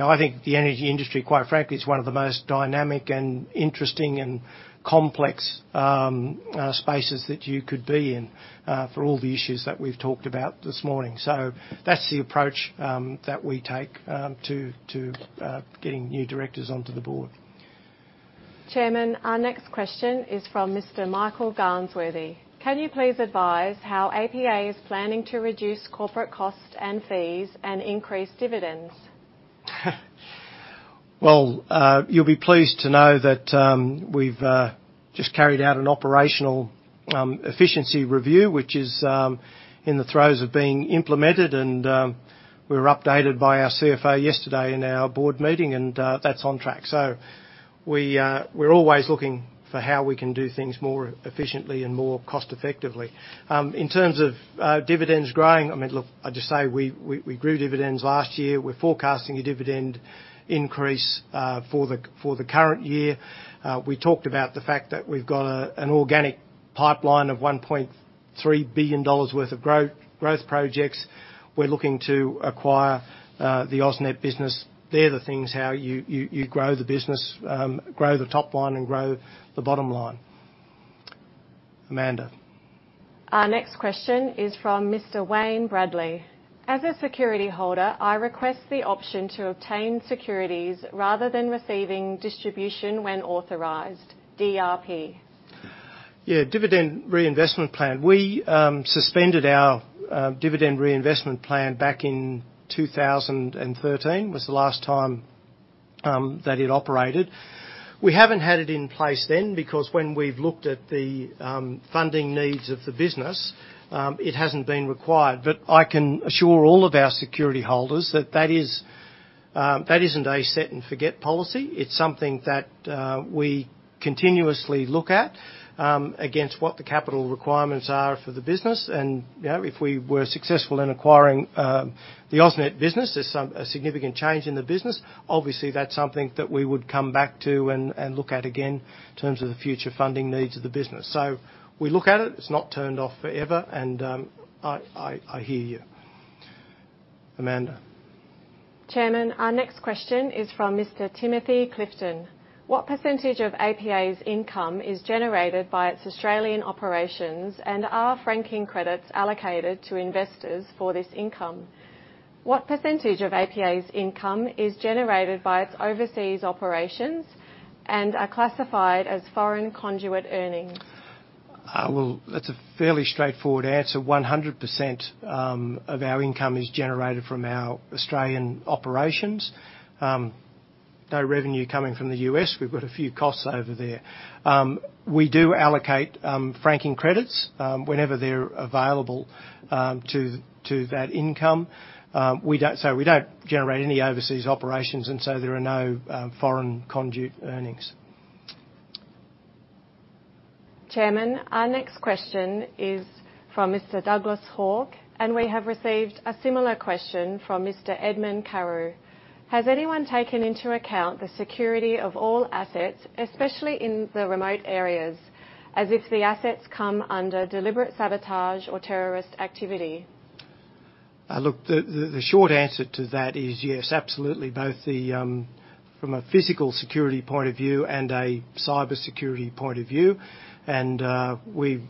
I think the energy industry, quite frankly, is one of the most dynamic and interesting and complex spaces that you could be in, for all the issues that we've talked about this morning. That's the approach that we take to getting new directors onto the board. Chairman, our next question is from Mr. Michael Garnsworthy. "Can you please advise how APA is planning to reduce corporate costs and fees and increase dividends? You'll be pleased to know that we've just carried out an operational efficiency review, which is in the throes of being implemented, and we were updated by our CFO yesterday in our board meeting, and that's on track. We're always looking for how we can do things more efficiently and more cost-effectively. In terms of dividends growing, look, I'd just say we grew dividends last year. We're forecasting a dividend increase for the current year. We talked about the fact that we've got an organic pipeline of 1.3 billion dollars worth of growth projects. We're looking to acquire the AusNet business. They're the things how you grow the business, grow the top line, and grow the bottom line. Amanda. Our next question is from Mr. Wayne Bradley. "As a security holder, I request the option to obtain securities rather than receiving distribution when authorized. DRP. Yeah. Dividend reinvestment plan. We suspended our dividend reinvestment plan back in 2013, was the last time that it operated. We haven't had it in place then because when we've looked at the funding needs of the business, it hasn't been required. I can assure all of our Security holders that that isn't a set and forget policy. It's something that we continuously look at, against what the capital requirements are for the business. If we were successful in acquiring the AusNet business, there's a significant change in the business. Obviously, that's something that we would come back to and look at again in terms of the future funding needs of the business. We look at it's not turned off forever, I hear you, Amanda. Chairman, our next question is from Mr. Timothy Clifton. What percentage of APA's income is generated by its Australian operations, and are franking credits allocated to investors for this income? What percentage of APA's income is generated by its overseas operations and are classified as foreign conduit earnings? Well, that's a fairly straightforward answer. 100% of our income is generated from our Australian operations. No revenue coming from the U.S. We've got a few costs over there. We do allocate franking credits, whenever they're available, to that income. We don't generate any overseas operations, and so there are no foreign conduit earnings. Chairman, our next question is from Mr. Douglas Hawke, and we have received a similar question from Mr. Edmund Carew. Has anyone taken into account the security of all assets, especially in the remote areas, as if the assets come under deliberate sabotage or terrorist activity? Look, the short answer to that is yes, absolutely, both from a physical security point of view and a cybersecurity point of view. Cyber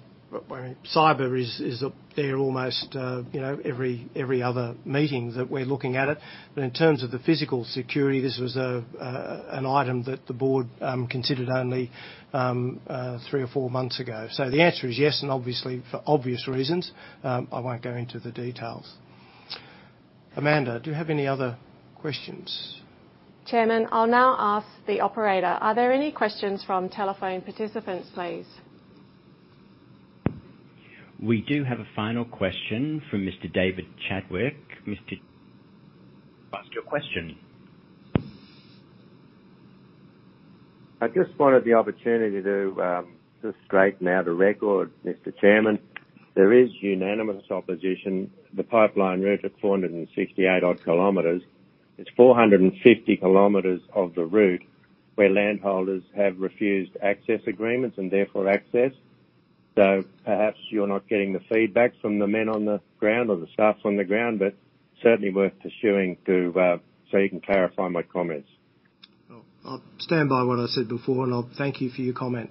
is there almost every other meeting that we're looking at it. In terms of the physical security, this was an item that the board considered only three or four months ago. The answer is yes, and obviously for obvious reasons, I won't go into the details. Amanda, do you have any other questions? Chairman, I'll now ask the operator, are there any questions from telephone participants, please? We do have a final question from Mr. David Chadwick. Mr. Chadwick, you may ask your question. I just wanted the opportunity to just straighten out a record, Mr. Chairman. There is unanimous opposition. The pipeline route is 468-odd kilometers. It's 450 kilometers of the route where land holders have refused access agreements and therefore access. Perhaps you're not getting the feedback from the men on the ground or the staffs on the ground, but certainly worth pursuing so you can clarify my comments. Well, I'll stand by what I said before, and I'll thank you for your comment.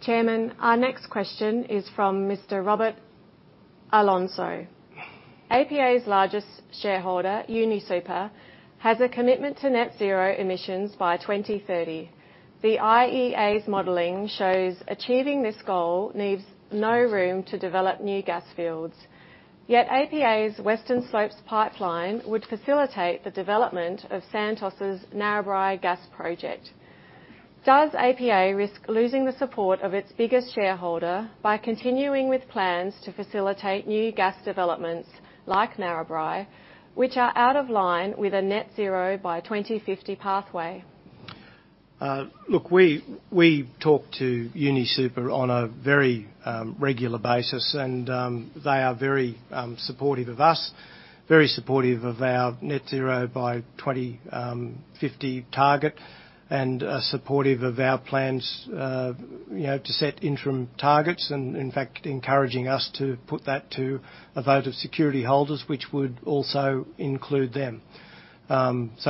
Chairman, our next question is from Mr. Robert Alonso. APA's largest shareholder, UniSuper, has a commitment to net zero emissions by 2030. The IEA's modeling shows achieving this goal leaves no room to develop new gas fields. Yet APA's Western Slopes Pipeline would facilitate the development of Santos' Narrabri Gas Project. Does APA risk losing the support of its biggest shareholder by continuing with plans to facilitate new gas developments like Narrabri, which are out of line with a net zero by 2050 pathway? Look, we talk to UniSuper on a very regular basis, and they are very supportive of us, very supportive of our net zero by 2050 target, and are supportive of our plans to set interim targets and in fact, encouraging us to put that to a vote of Security holders, which would also include them.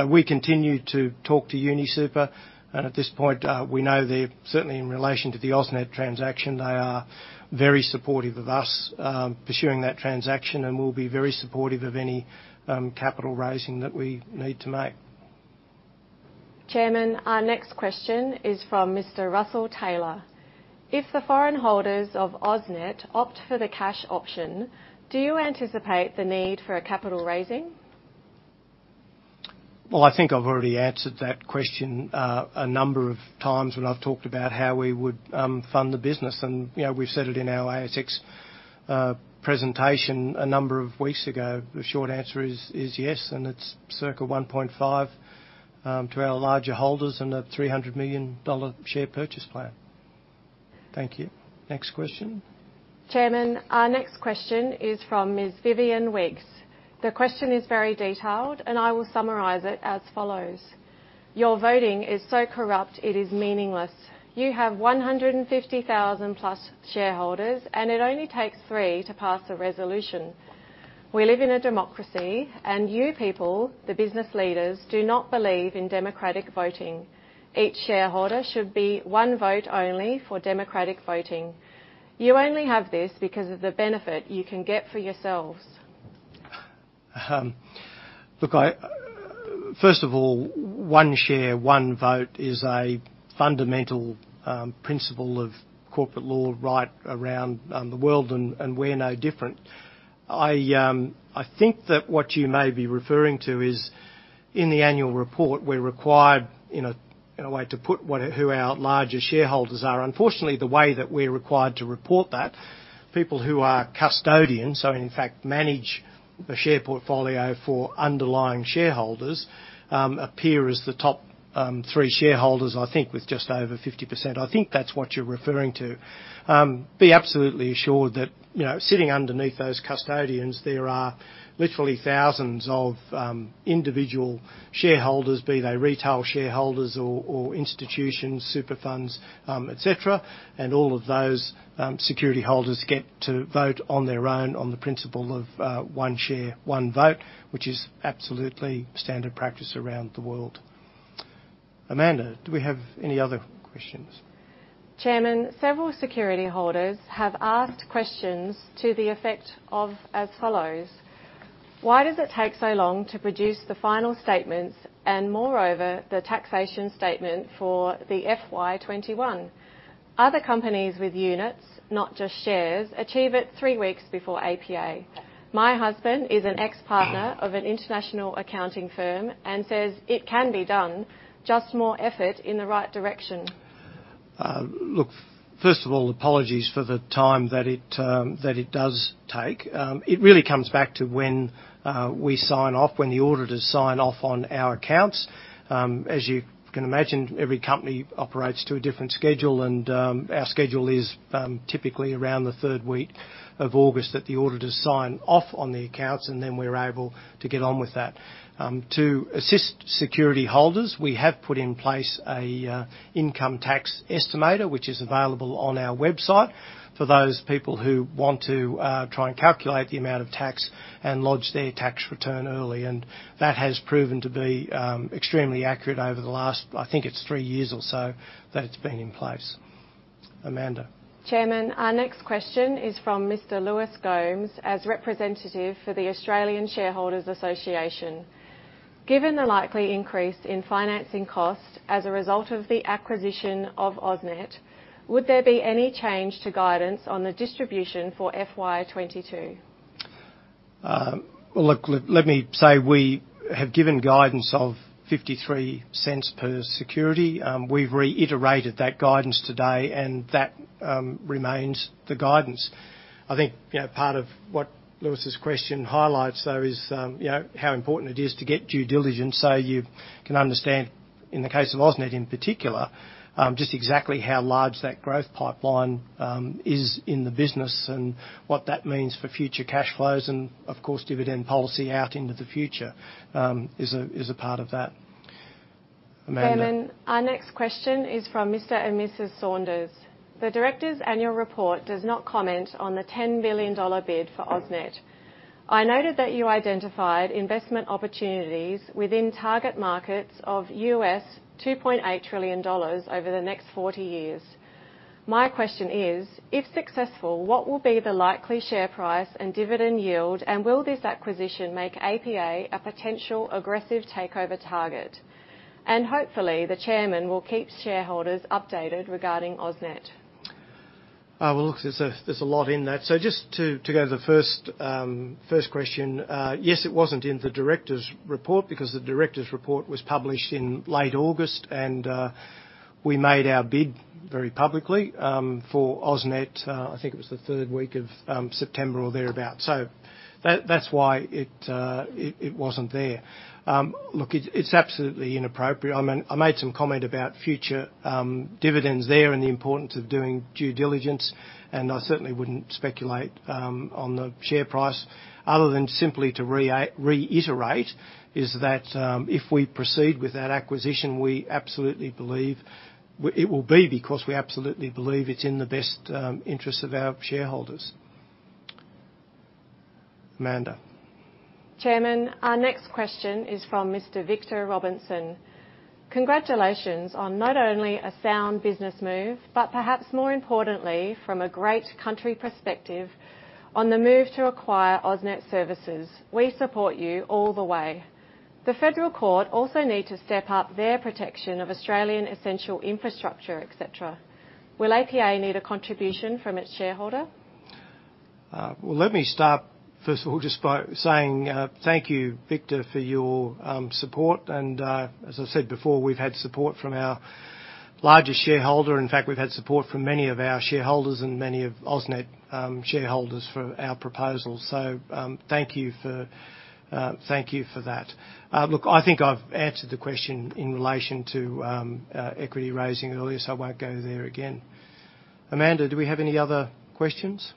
We continue to talk to UniSuper, and at this point, we know they're, certainly in relation to the AusNet transaction, they are very supportive of us pursuing that transaction and will be very supportive of any capital raising that we need to make. Chairman, our next question is from Mr. Russell Taylor. If the foreign holders of AusNet opt for the cash option, do you anticipate the need for a capital raising? Well, I think I've already answered that question a number of times when I've talked about how we would fund the business. We've said it in our ASX presentation a number of weeks ago. The short answer is yes, and it's circa 1.5 to our larger holders and a 300 million dollar share purchase plan. Thank you. Next question. Chairman, our next question is from Ms. Vivian Wigs. The question is very detailed, and I will summarize it as follows. Your voting is so corrupt it is meaningless. You have 150,000-plus shareholders, and it only takes three to pass a resolution. We live in a democracy, and you people, the business leaders, do not believe in democratic voting. Each shareholder should be one vote only for democratic voting. You only have this because of the benefit you can get for yourselves. First of all, 1 share, 1 vote is a fundamental principle of corporate law right around the world. We're no different. I think that what you may be referring to is in the annual report, we're required, in a way, to put who our larger shareholders are. Unfortunately, the way that we're required to report that, people who are custodians, so in fact manage the share portfolio for underlying shareholders, appear as the top 3 shareholders, I think with just over 50%. I think that's what you're referring to. Be absolutely assured that sitting underneath those custodians, there are literally thousands of individual shareholders, be they retail shareholders or institutions, super funds, et cetera. All of those Security holders get to vote on their own on the principle of 1 share, 1 vote, which is absolutely standard practice around the world. Amanda, do we have any other questions? Chairman, several Security holders have asked questions to the effect of as follows: Why does it take so long to produce the final statements and moreover, the taxation statement for the FY 2021? Other companies with units, not just shares, achieve it three weeks before APA. My husband is an ex-partner of an international accounting firm and says it can be done, just more effort in the right direction. Look, first of all, apologies for the time that it does take. It really comes back to when we sign off, when the auditors sign off on our accounts. Our schedule is typically around the third week of August that the auditors sign off on the accounts, then we're able to get on with that. To assist Security holders, we have put in place an income tax estimator, which is available on our website for those people who want to try and calculate the amount of tax and lodge their tax return early. That has proven to be extremely accurate over the last, I think it's 3 years or so that it's been in place. Amanda. Chairman, our next question is from Mr. Lewis Gomes as representative for the Australian Shareholders' Association. Given the likely increase in financing costs as a result of the acquisition of AusNet, would there be any change to guidance on the distribution for FY 2022? Well, look, let me say we have given guidance of 0.53 per security. We've reiterated that guidance today. That remains the guidance. I think part of what Lewis Gomes's question highlights, though, is how important it is to get due diligence so you can understand, in the case of AusNet in particular, just exactly how large that growth pipeline is in the business and what that means for future cash flows and, of course, dividend policy out into the future, is a part of that. Amanda. Chairman, our next question is from Mr. and Mrs. Saunders. The directors' annual report does not comment on the 10 billion dollar bid for AusNet. I noted that you identified investment opportunities within target markets of US $2.8 trillion over the next 40 years. My question is, if successful, what will be the likely share price and dividend yield, and will this acquisition make APA a potential aggressive takeover target? Hopefully, the Chairman will keep shareholders updated regarding AusNet. Well, look, there's a lot in that. Just to go to the first question, yes, it wasn't in the directors' report because the directors' report was published in late August, and we made our bid very publicly for AusNet, I think it was the third week of September or thereabout. That's why it wasn't there. Look, it's absolutely inappropriate. I made some comment about future dividends there and the importance of doing due diligence, and I certainly wouldn't speculate on the share price other than simply to reiterate, is that if we proceed with that acquisition, it will be because we absolutely believe it's in the best interest of our shareholders. Amanda. Chairman, our next question is from Mr. Victor Robinson. Congratulations on not only a sound business move, but perhaps more importantly, from a great country perspective, on the move to acquire AusNet Services. We support you all the way. The Federal Court also need to step up their protection of Australian essential infrastructure, et cetera. Will APA need a contribution from its shareholder? Well, let me start first of all just by saying thank you, Victor, for your support. As I said before, we've had support from our largest shareholder. In fact, we've had support from many of our shareholders and many of AusNet shareholders for our proposal. Thank you for that. Look, I think I've answered the question in relation to equity raising earlier, I won't go there again. Amanda, do we have any other questions?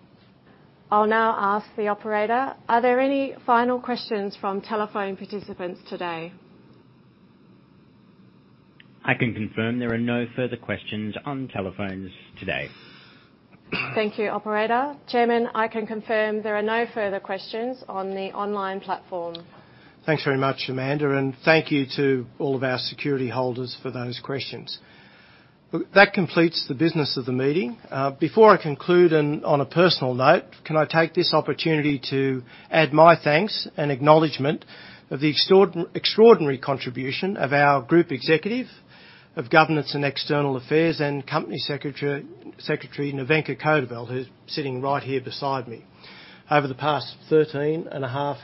I'll now ask the operator. Are there any final questions from telephone participants today? I can confirm there are no further questions on telephones today. Thank you, operator. Chairman, I can confirm there are no further questions on the online platform. Thanks very much, Amanda, and thank you to all of our Security holders for those questions. That completes the business of the meeting. Before I conclude and on a personal note, can I take this opportunity to add my thanks and acknowledgement of the extraordinary contribution of our Group Executive of Governance and External Affairs and Company Secretary, Nevenka Codevelle, who's sitting right here beside me, over the past 13 and a half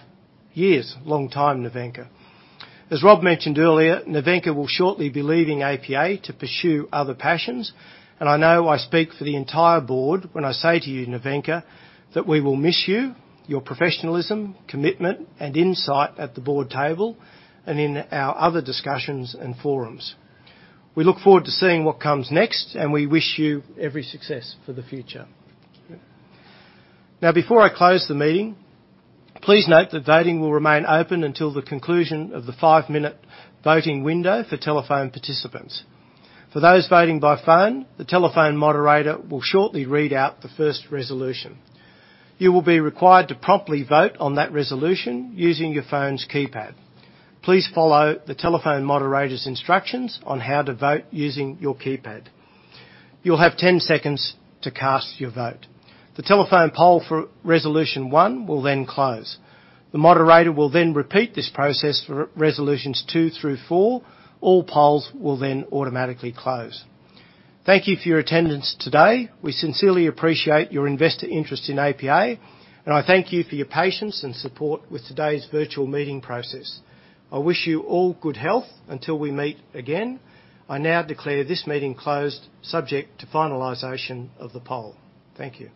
years. Long time, Nevenka. As Rob mentioned earlier, Nevenka will shortly be leaving APA to pursue other passions, and I know I speak for the entire Board when I say to you, Nevenka, that we will miss you, your professionalism, commitment, and insight at the Board table and in our other discussions and forums. We look forward to seeing what comes next, and we wish you every success for the future. Now, before I close the meeting, please note that voting will remain open until the conclusion of the 5-minute voting window for telephone participants. For those voting by phone, the telephone moderator will shortly read out the 1st resolution. You will be required to promptly vote on that resolution using your phone's keypad. Please follow the telephone moderator's instructions on how to vote using your keypad. You'll have 10 seconds to cast your vote. The telephone poll for resolution 1 will then close. The moderator will then repeat this process for resolutions 2 through 4. All polls will then automatically close. Thank you for your attendance today. We sincerely appreciate your investor interest in APA, and I thank you for your patience and support with today's virtual meeting process. I wish you all good health until we meet again. I now declare this meeting closed subject to finalization of the poll. Thank you.